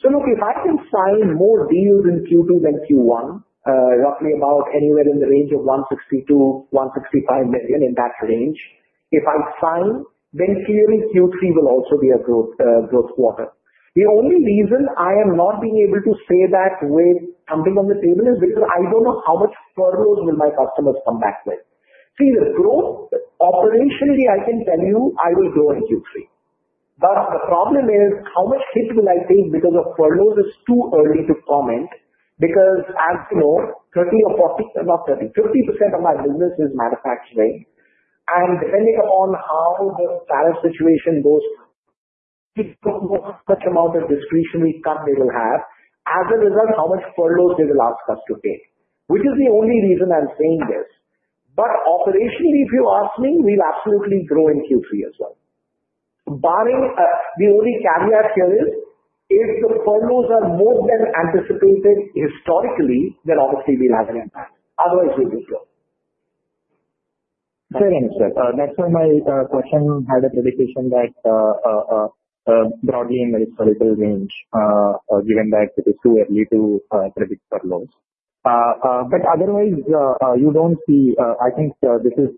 Look, if I can sign more deals in Q2 than Q1, roughly about anywhere in the range of $162 million, $165 million in that range, if I'm fine, then clearly Q3 will also be a growth quarter. The only reason I am not being able to say that way something on the table is because I don't know how much furloughs will my customers come back with. The growth operationally, I can tell you I will grow in Q3. The problem is, how much hitch will I take because of furloughs is too early to comment because, as you know, 30% or 40%, not 30%, 50% of my business is manufacturing. Depending upon how the tariff situation goes, it's too much amount of discretionary cut they will have. As a result, how much furloughs they will ask us to take, which is the only reason I'm saying this. Operationally, if you ask me, we'll absolutely grow in Q3 as well. The only caveat here is if the furloughs are more than anticipated historically, then obviously we'll have an impact. Otherwise, we will go. Sorry, Angan. That's why my question had a predication that broadly in the historical range, given that it is too early to predict furloughs. Otherwise, you don't see, I think this is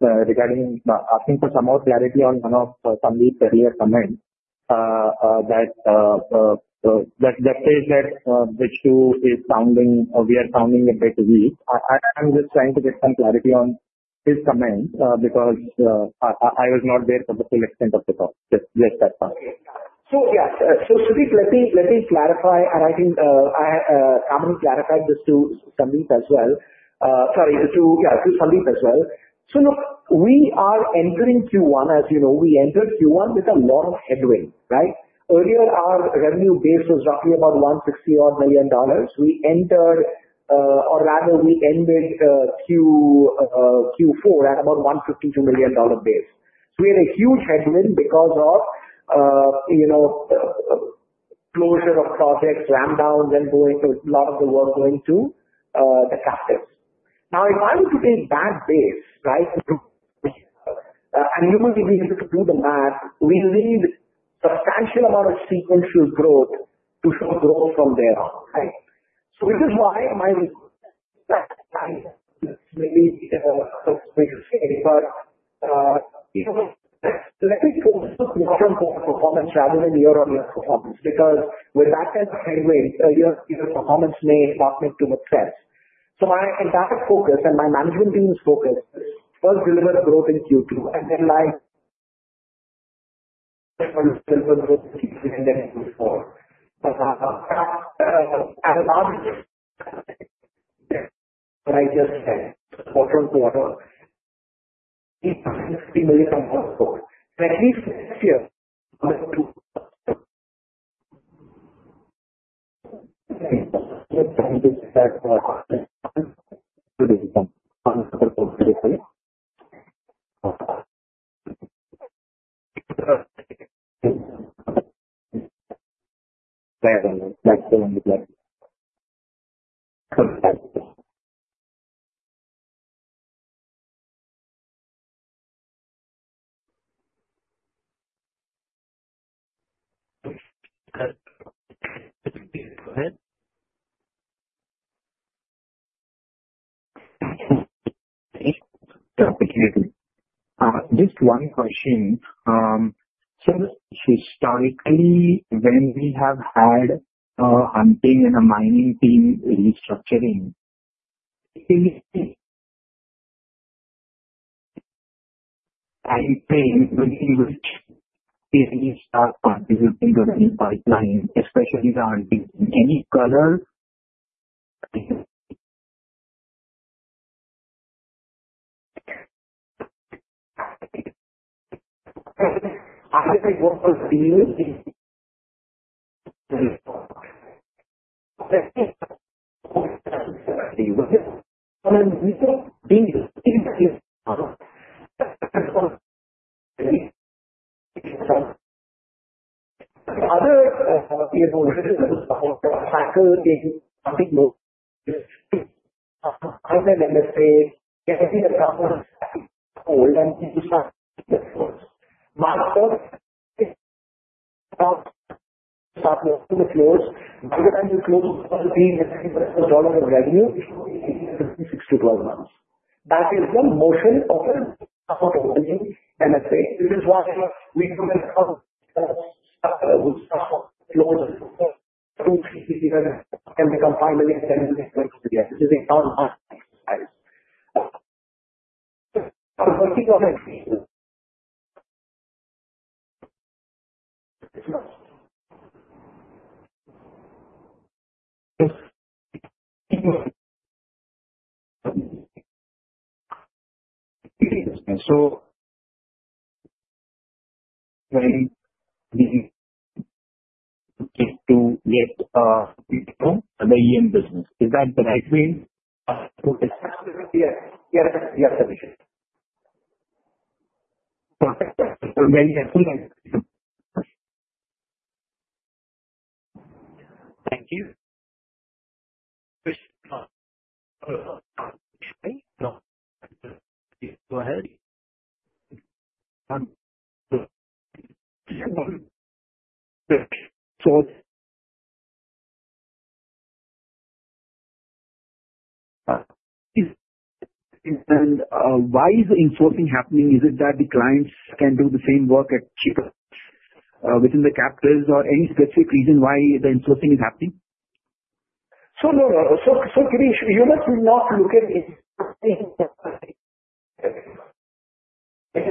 regarding asking for some more clarity on one of Sandeep's earlier comments that says that H2 is sounding, we are sounding a bit weak. I'm just trying to get some clarity on his comment because I was not there to the full extent of the talk. Just that part. Yes, Sudheer, let me clarify, and I think Kamini clarified this to Sandeep as well. We are entering Q1. As you know, we entered Q1 with a lot of headwind, right? Earlier, our revenue base was roughly about $160 million. We ended Q4 at about $152 million base. We had a huge headwind because of closures of projects, ramp downs, and a lot of the work going to the customers. In order to take that base, if we have to do the math, we need a substantial amount of sequential growth to show growth from there on, right? This is why I'm really disappointed because I think it's also crucial for performance rather than year-on-year performance because with that kind of headwind, your performance may not make too much sense. My entire focus and my management team's focus is first deliver growth in Q2 and then deliver growth in Q4 in the month of Q4. Thanks, Angan. Go ahead. Thank you. Just one question. Started early when we have had a hunting and a mining team restructuring. I think when things start to run in the pipeline, especially the hunting, any color. I'll say the industry. Yes, I see the customers are old and the floors. The floors, the floor to be in a dollar of revenue, it is $60. That is one more thing on a hotel building, and I say this is why we can finally get this to the next steps. I'm getting to the end. Is that the headwind? Yeah, that's a headwind. Thank you. Go ahead. Why is the insourcing happening? Is it that the clients can do the same work at cheaper within the captives, or any specific reason why the insourcing is happening? You must not look at it. We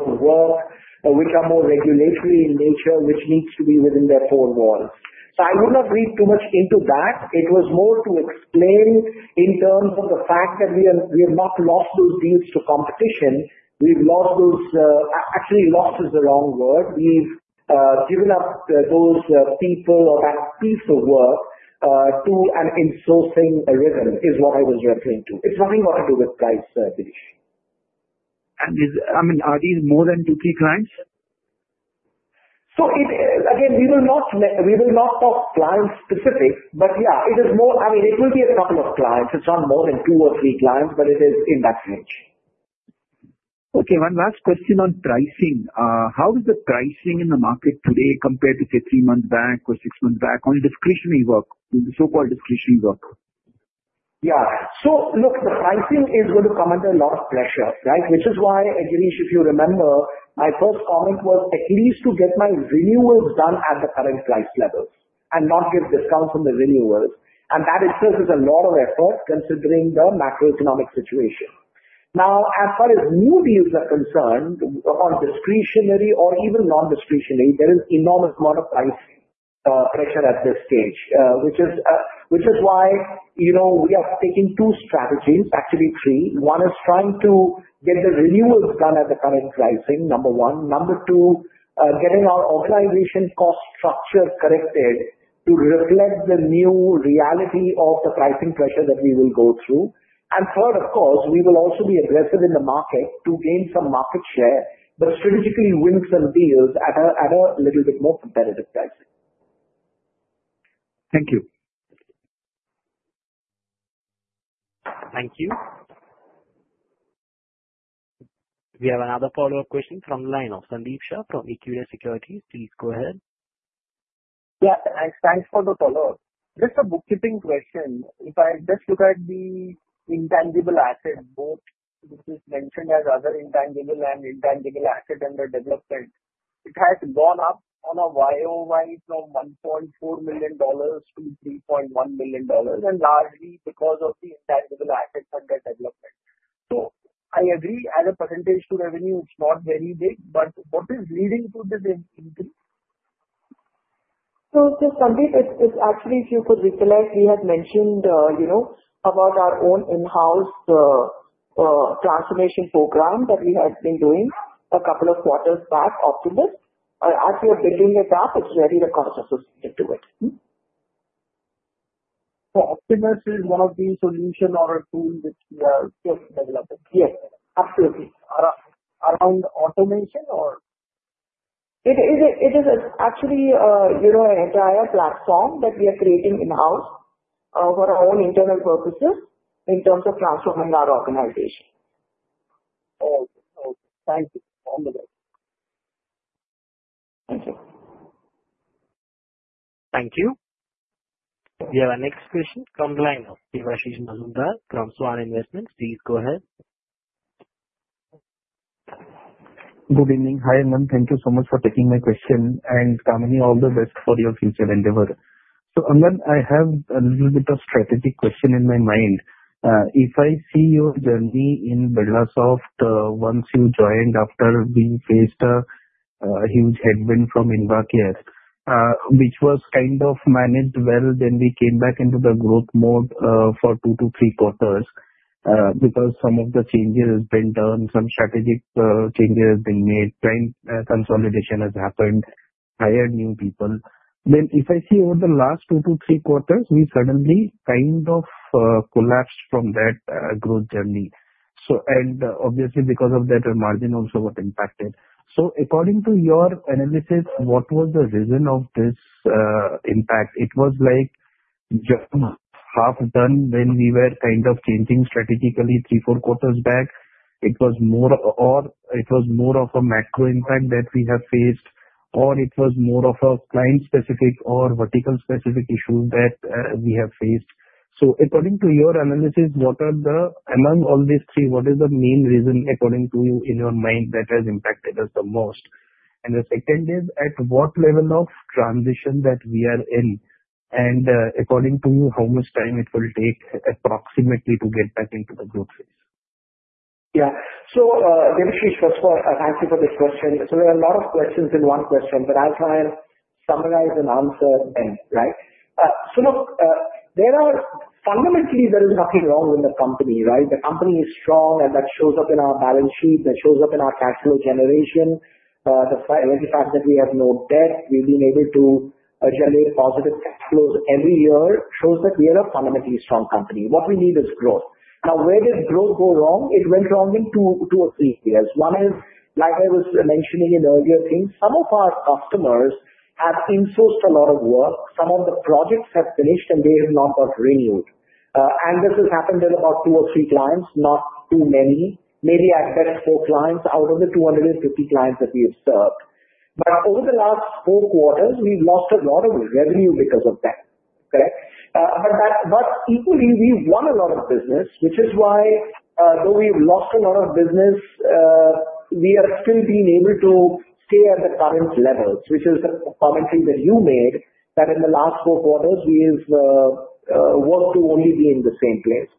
come out regulatory in nature, which needs to be within their four walls. I will not read too much into that. It was more to explain in terms of the fact that we have not lost those deals to competition. We've lost those, actually, lost is the wrong word. We've given up those people or that piece of work to an insourcing arena, is what I was referring to. It's nothing more to do with price.. Are these more than two key clients? We will not talk client-specific, but yeah, it is more, I mean, it will be a couple of clients. It's not more than two or three clients, but it is in that range. Okay. One last question on pricing. How does the pricing in the market today compare to, say, three months back or six months back on discretionary work, the so-called discretionary work? Yeah. Look, the pricing is going to come under a lot of pressure, right? Which is why, at least if you remember, my first comment was at least to get my renewals done at the current price level and not give discounts on the renewals. That itself is a lot of effort considering the macroeconomic situation. Now, as far as new deals are concerned, on discretionary or even non-discretionary, there is an enormous amount of pricing pressure at this stage, which is why we are taking two strategies, actually three. One is trying to get the renewals done at the current pricing, number one. Number two, getting our organization cost structure corrected to reflect the new reality of the pricing pressure that we will go through. Third, of course, we will also be aggressive in the market to gain some market share, but strategically win some deals at a little bit more competitive pricing. Thank you. Thank you. We have another follow-up question from the line of Sandeep Shah from Equirus Securities. Please go ahead. Yeah, thanks for the follow-up. Just a bookkeeping question. If I just look at the intangible assets, both mentioned as other intangible and intangible assets under development, it has gone up on a year-over-year from $1.4 million to $3.1 million, and largely because of the intangible assets under development. I agree as a percentage to revenue, it's not very big, but what is leading to this increase? Sandeep, it's actually a few particulars. We had mentioned, you know, about our own in-house transformation program that we have been doing a couple of quarters back, Optimus. As we are building it up, it's very requested to do it. Optimus is one of the solutions or tools that you have just developed? Yes, absolutely. Automation or? It is actually, you know, an entire platform that we are creating in-house for our own internal purposes, in terms of transforming our organization. Okay. Thank you. Thank you. We have a next question from the line of Debashish Mazumdar from SVAN Investments. Please go ahead. Good evening. Hi, Angan. Thank you so much for taking my question and Kamini, all the best for your future endeavor. Angan, I have a little bit of a strategic question in my mind. If I see your journey in Birlasoft once you joined after we faced a huge headwind from Invacare, which was kind of managed well, then we came back into the growth mode for two to three quarters because some of the changes have been done, some strategic changes have been made, trend consolidation has happened, hired new people. If I see over the last two to three quarters, we suddenly kind of collapsed from that growth journey, and obviously, because of that, the margin also got impacted. According to your analysis, what was the reason of this impact? It was like just half a turn when we were kind of changing strategically three, four quarters back. Was it more of a macro impact that we have faced, or was it more of a client-specific or vertical-specific issue that we have faced? According to your analysis, among all these three, what is the main reason, according to you, in your mind that has impacted us the most? The second is at what level of transition that we are in, and according to you, how much time it will take approximately to get back into the growth phase? Yeah. Let me switch first of all. Thank you for this question. There are a lot of questions in one question, but I'll try and summarize and answer them, right? Look, there is fundamentally, there is nothing wrong with the company, right? The company is strong, and that shows up in our balance sheet. That shows up in our cash flow generation. The very fact that we have no debt, we've been able to generate positive cash flows every year shows that we are a fundamentally strong company. What we need is growth. Now, where did growth go wrong? It went wrong in two or three areas. One is, like I was mentioning in earlier things, some of our customers have insourced a lot of work. Some of the projects have finished, and they have not got renewed. This has happened in about two or three clients, not too many. Maybe I'd say four clients out of the 250 clients that we have served. Over the last four quarters, we've lost a lot of revenue because of that, correct? Equally, we've won a lot of business, which is why, though we've lost a lot of business, we are still being able to stay at the current levels, which is the commentary that you made that in the last four quarters, we have worked to only be in the same place.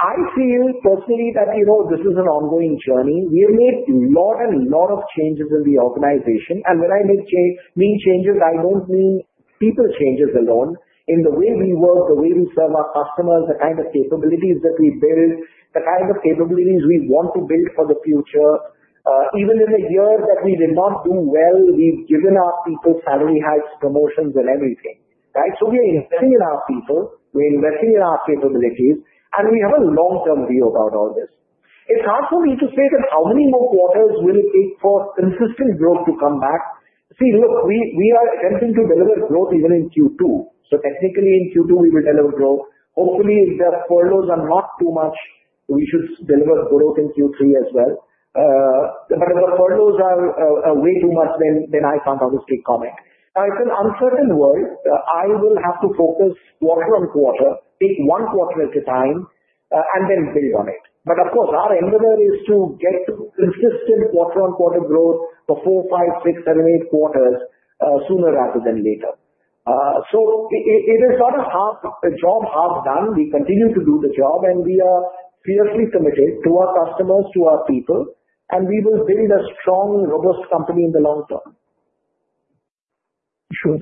I feel personally that this is an ongoing journey. We've made a lot and a lot of changes in the organization. When I make changes, I don't mean people changes alone. In the way we work, the way we serve our customers, the kind of capabilities that we build, the kind of capabilities we want to build for the future, even in the years that we did not do well, we've given our people salary hikes, promotions, and everything, right? We are investing in our people. We're investing in our capabilities, and we have a long-term view about all this. It's hard for me to say how many more quarters it will take for consistent growth to come back. See, we are attempting to deliver growth even in Q2. Technically, in Q2, we will deliver growth. Hopefully, if the furloughs are not too much, we should deliver growth in Q3 as well. If the furloughs are way too much, then I can't obviously comment. It's an uncertain world. I will have to focus quarter on quarter, take one quarter at a time, and then build on it. Of course, our endeavor is to get consistent quarter on quarter growth. Four, Five, six, seven, eight quarters, sooner rather than later. It is sort of half a job, half done. We continue to do the job, and we are clearly committed to our customers, to our people, and we will build a strong, robust company in the long term. Sure.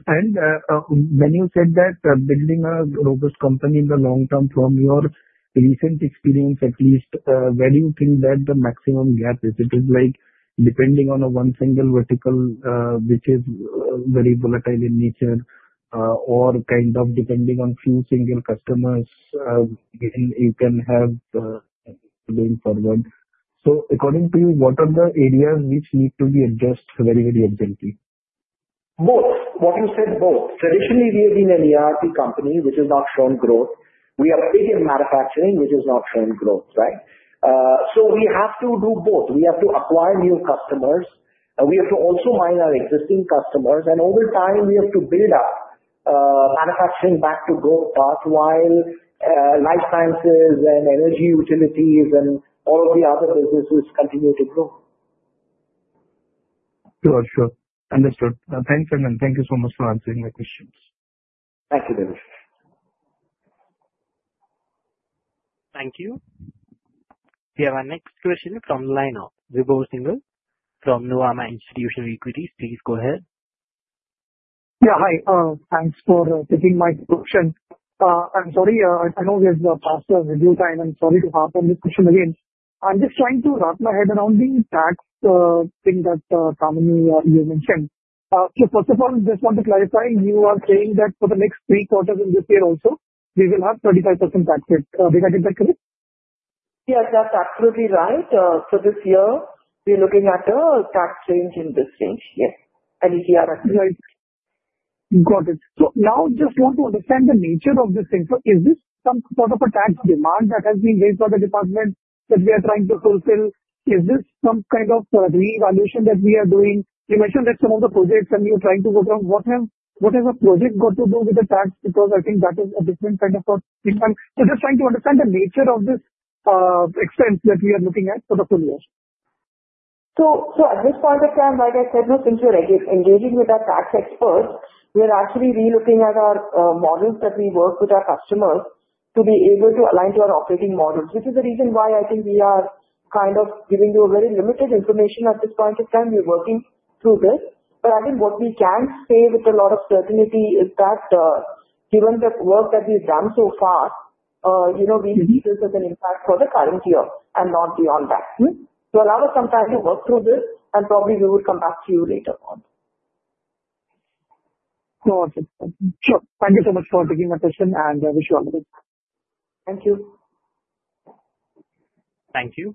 When you said that building a robust company in the long term, from your recent experience at least, where do you think that the maximum gap is? Is it like depending on a single vertical, which is very volatile in nature, or kind of depending on a few single customers you can have, going forward? According to you, what are the areas which need to be addressed very, very urgently? Both. What you said, both. Traditionally, we have been an ERP company, which is our strong growth. We are big in manufacturing, which is our same growth, right? We have to do both. We have to acquire new customers. We have to also mind our existing customers. All the time, we have to build our manufacturing back to growth path while Life Sciences and energy utilities and all of the other businesses continue to grow. Sure. Understood. Thanks, and thank you so much for answering my questions. Thank you, Debashish. Thank you. Yeah, our next question is from line of [Duva Shivo] from Nuvama Institutional Equities. Please go ahead. Yeah, hi. Thanks for taking my question. I'm sorry. I know there's a faster review time. I'm sorry to harp on this question again. I'm just trying to wrap my head around the tax thing that you mentioned. First of all, just for the lifetime, you are saying that for the next three quarters in this year also, we will have 35% tax rate? Is that correct? Yes, that's absolutely right. For this year, we're looking at a tax range in this range. Yes. Got it. I just want to understand the nature of this thing. Is this some sort of a tax demand that has been raised by the department that we are trying to fulfill? Is this some kind of reevaluation that we are doing? You mentioned there's some of the projects that you're trying to work on. What has a project got to do with the tax? I think that is a different kind of thought. I'm just trying to understand the nature of this expense that we are looking at for the two years. At this point of time, like I said, since you're engaging with our tax experts, we are actually really looking at our models that we work with our customers to be able to align to our operating models, which is the reason why I think we are kind of giving you very limited information at this point of time. We're working through this. What we can say with a lot of certainty is that, given the work that we've done so far, we believe this has an impact for the current year and not beyond that. Allow us some time to work through this, and probably we will come back to you later on. Got it. Sure. Thank you so much for taking my question, and I wish you all the best. Thank you. Thank you.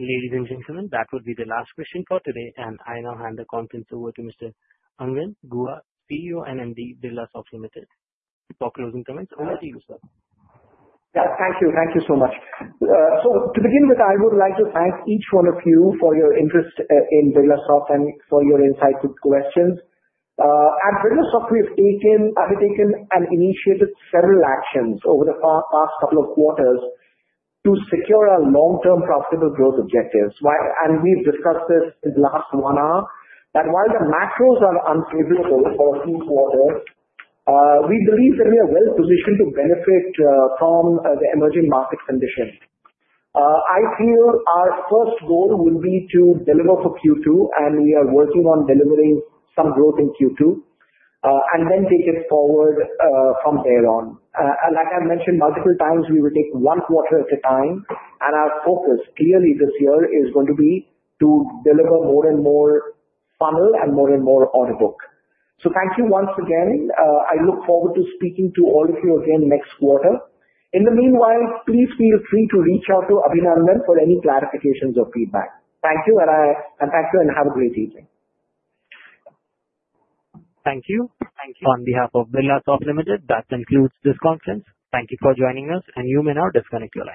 Ladies and gentlemen, that would be the last question for today, and I now hand the contents over to Mr. Angan Guha, CEO and MD, Birlasoft Limited, for closing comments. Over to you, sir. Thank you. Thank you so much. To begin with, I would like to thank each one of you for your interest in Birlasoft and for your insight to questions. At Birlasoft, we've undertaken and initiated several actions over the past couple of quarters to secure our long-term profitable growth objectives. We've discussed this in the last one hour, that while the macros are unfavorable for Q4, we believe that we are well positioned to benefit from the emerging market conditions. I feel our first goal will be to deliver for Q2, and we are working on delivering some growth in Q2, then take it forward from there on. Like I've mentioned multiple times, we will take one quarter at a time, and our focus clearly this year is going to be to deliver more and more funnel and more and more order books. Thank you once again. I look forward to speaking to all of you again next quarter. In the meanwhile, please feel free to reach out to Abhinandan for any clarifications or feedback. Thank you, and have a great evening. Thank you. On behalf of Birlasoft Limited, that concludes this conference. Thank you for joining us, and you may now disconnect your line.